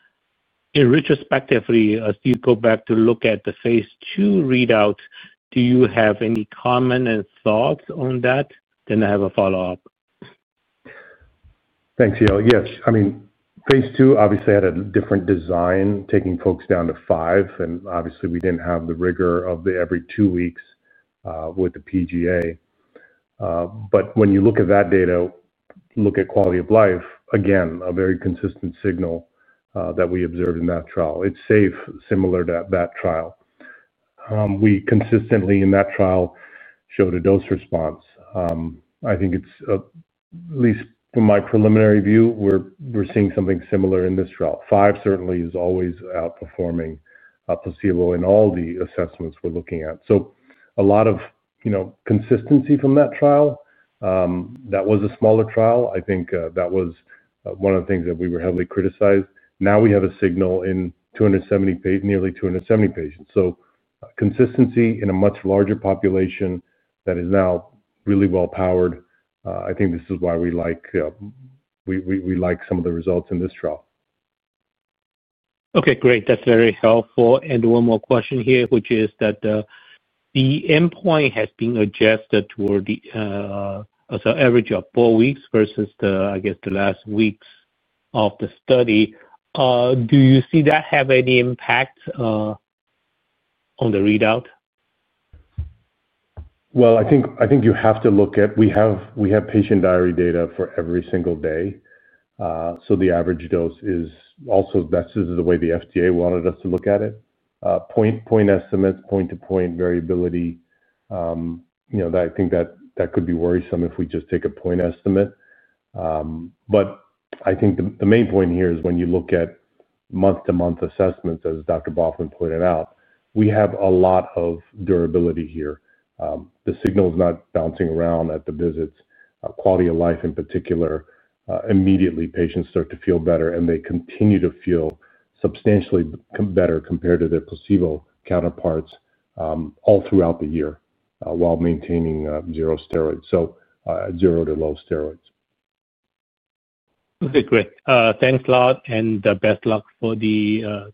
in retrospective, if you go back to look at the Phase 2 readout, do you have any comments and thoughts on that? I have a follow-up. Thanks, Yale. Yeah. I mean, Phase 2 obviously had a different design, taking folks down to five, and obviously, we didn't have the rigor of the every two weeks with the PGA. When you look at that data, look at quality of life, again, a very consistent signal that we observed in that trial. It's safe, similar to that trial. We consistently in that trial showed a dose response. I think it's at least from my preliminary view, we're seeing something similar in this trial. Five certainly is always outperforming placebo in all the assessments we're looking at. A lot of consistency from that trial. That was a smaller trial. I think that was one of the things that we were heavily criticized. Now we have a signal in nearly 270 patients. Consistency in a much larger population that is now really well-powered, I think this is why we like some of the results in this trial. Okay. Great. That's very helpful. One more question here, which is that the endpoint has been adjusted toward the average of four weeks versus, I guess, the last weeks of the study. Do you see that have any impact on the readout? I think you have to look at we have patient diary data for every single day. The average dose is also this is the way the FDA wanted us to look at it. Point estimates, point-to-point variability, you know, that could be worrisome if we just take a point estimate. I think the main point here is when you look at month-to-month assessments, as Dr. Baughman pointed out, we have a lot of durability here. The signal is not bouncing around at the visits. Quality of life, in particular, immediately, patients start to feel better, and they continue to feel substantially better compared to their placebo counterparts all throughout the year while maintaining zero steroids, so zero to low steroids. Great. Thanks, Rob, and best luck for the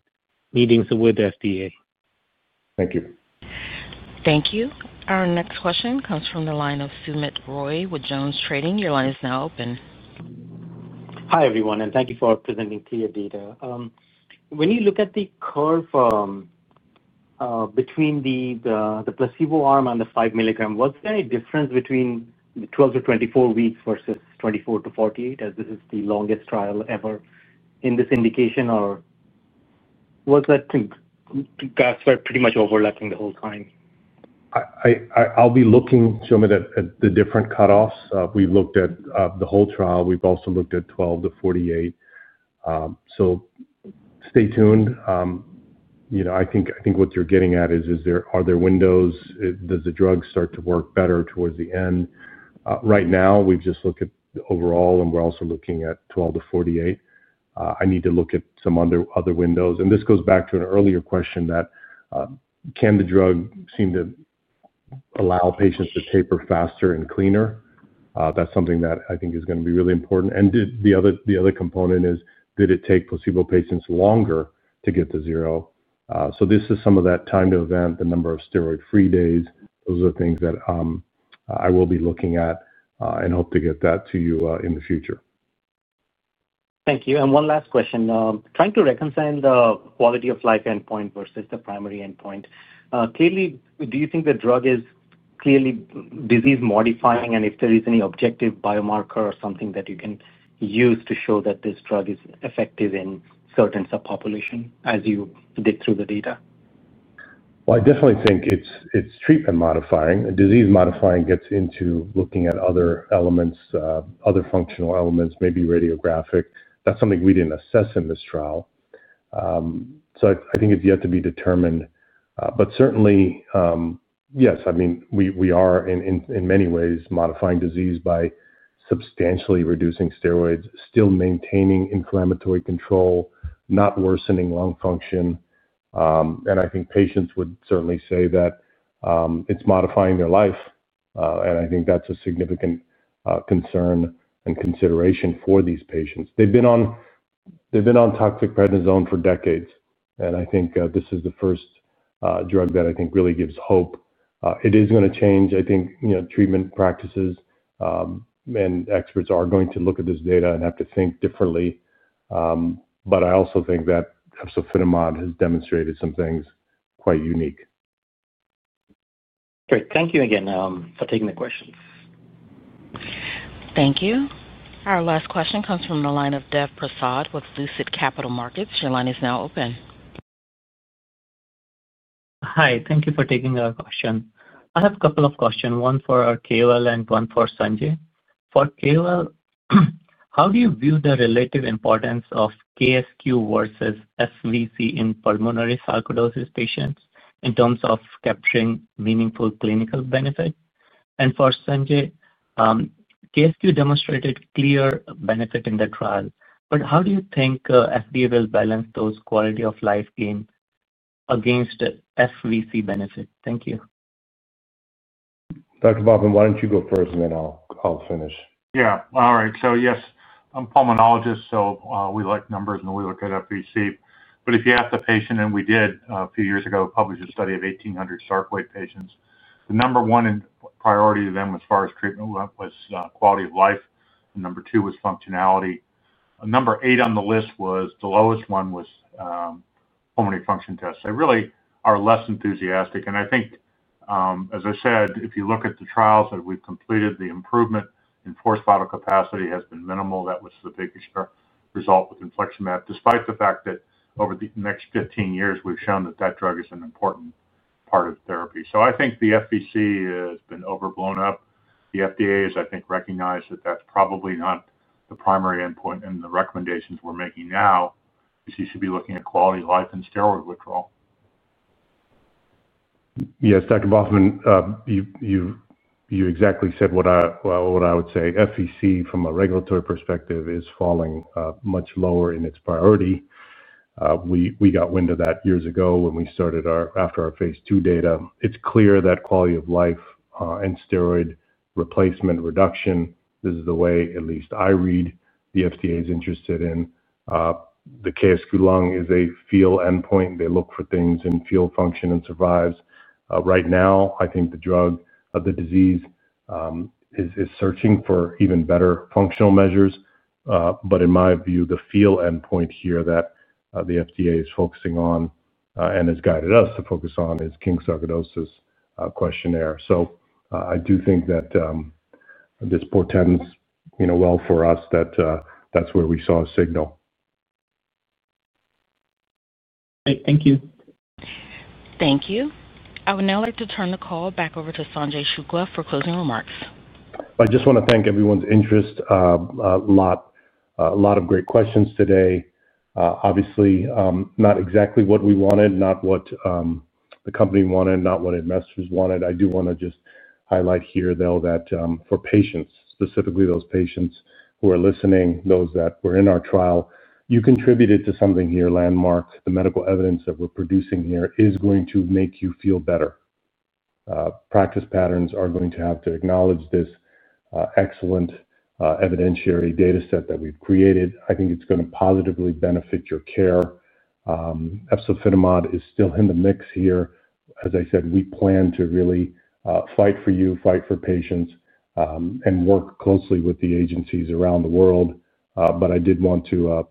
meetings with the FDA. Thank you. Thank you. Our next question comes from the line of Soumit Roy with Jones Trading. Your line is now open. Hi, everyone, and thank you for presenting clear data. When you look at the curve between the placebo arm and the 5 mg, was there a difference between 12 to 24 weeks versus 24 to 48 as this is the longest trial ever in this indication, or was that pretty much overlapping the whole time? I'll be looking, Sumit, at the different cutoffs. We've looked at the whole trial. We've also looked at 12 to 48. Stay tuned. I think what you're getting at is, are there windows? Does the drug start to work better towards the end? Right now, we've just looked at overall, and we're also looking at 12 to 48. I need to look at some other windows. This goes back to an earlier question that can the drug seem to allow patients to taper faster and cleaner? That's something that I think is going to be really important. The other component is, did it take placebo patients longer to get to zero? This is some of that time to event, the number of steroid-free days. Those are the things that I will be looking at and hope to get that to you in the future. Thank you. One last question. Trying to reconcile the quality of life endpoint versus the primary endpoint, clearly, do you think the drug is clearly disease-modifying? If there is any objective biomarker or something that you can use to show that this drug is effective in certain subpopulations as you dig through the data? I definitely think it's treatment-modifying. Disease-modifying gets into looking at other elements, other functional elements, maybe radiographic. That's something we didn't assess in this trial. I think it's yet to be determined. Certainly, yes, we are in many ways modifying disease by substantially reducing steroids, still maintaining inflammatory control, not worsening lung function. I think patients would certainly say that it's modifying their life. I think that's a significant concern and consideration for these patients. They've been on toxic prednisone for decades. I think this is the first drug that really gives hope. It is going to change. I think treatment practices and experts are going to look at this data and have to think differently. I also think that efzofitimod has demonstrated some things quite unique. Great. Thank you again for taking the questions. Thank you. Our last question comes from the line of Dev Prasad with Lucid Capital Markets. Your line is now open. Hi, Thank you for taking the question. I have a couple of questions, one for our KOL and one for Sanjay. For KOL, how do you view the relative importance of KSQ versus FVC in pulmonary sarcoidosis patients in terms of capturing meaningful clinical benefit? For Sanjay, KSQ demonstrated clear benefit in the trial, but how do you think FDA will balance those quality of life gains against the FVC benefit? Thank you. Dr. Baughman, why don't you go first and then I'll finish? All right. Yes, I'm a pulmonologist, so we like numbers and we look at FVC. If you ask the patient, and we did a few years ago publish a study of 1,800 sarcoid patients, the number one in priority to them as far as treatment was quality of life, and number two was functionality. Number eight on the list, the lowest one, was pulmonary function tests. They really are less enthusiastic. I think, as I said, if you look at the trials that we've completed, the improvement in forced vital capacity has been minimal. That was the biggest result with infliximab, despite the fact that over the next 15 years we've shown that that drug is an important part of therapy. I think the FVC has been overblown. The FDA has, I think, recognized that that's probably not the primary endpoint in the recommendations we're making now. You should be looking at quality of life and steroid withdrawal. Yes, Dr. Baughman, you exactly said what I would say. FVC from a regulatory perspective is falling much lower in its priority. We got wind of that years ago when we started after our Phase 2 data. It's clear that quality of life and steroid replacement reduction, this is the way at least I read the FDA is interested in. The KSQ lung is a field endpoint. They look for things in field function and survival. Right now, I think the drug of the disease is searching for even better functional measures. In my view, the field endpoint here that the FDA is focusing on and has guided us to focus on is King's Sarcoidosis Questionnaire. I do think that this portends well for us that that's where we saw a signal. Thank you. Thank you. I would now like to turn the call back over to Sanjay S. Shukla for closing remarks. I just want to thank everyone's interest. A lot of great questions today. Obviously, not exactly what we wanted, not what the company wanted, not what investors wanted. I do want to just highlight here, though, that for patients, specifically those patients who are listening, those that were in our trial, you contributed to something here, landmark. The medical evidence that we're producing here is going to make you feel better. Practice patterns are going to have to acknowledge this excellent evidentiary data set that we've created. I think it's going to positively benefit your care. Efzofitimod is still in the mix here. As I said, we plan to really fight for you, fight for patients, and work closely with the agencies around the world. I did want to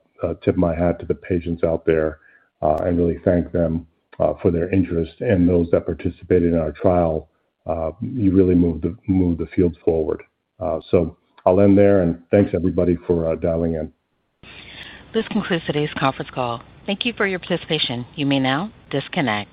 tip my hat to the patients out there and really thank them for their interest and those that participated in our trial. You really moved the fields forward. I'll end there, and thanks everybody for dialing in. This concludes today's conference call. Thank you for your participation. You may now disconnect.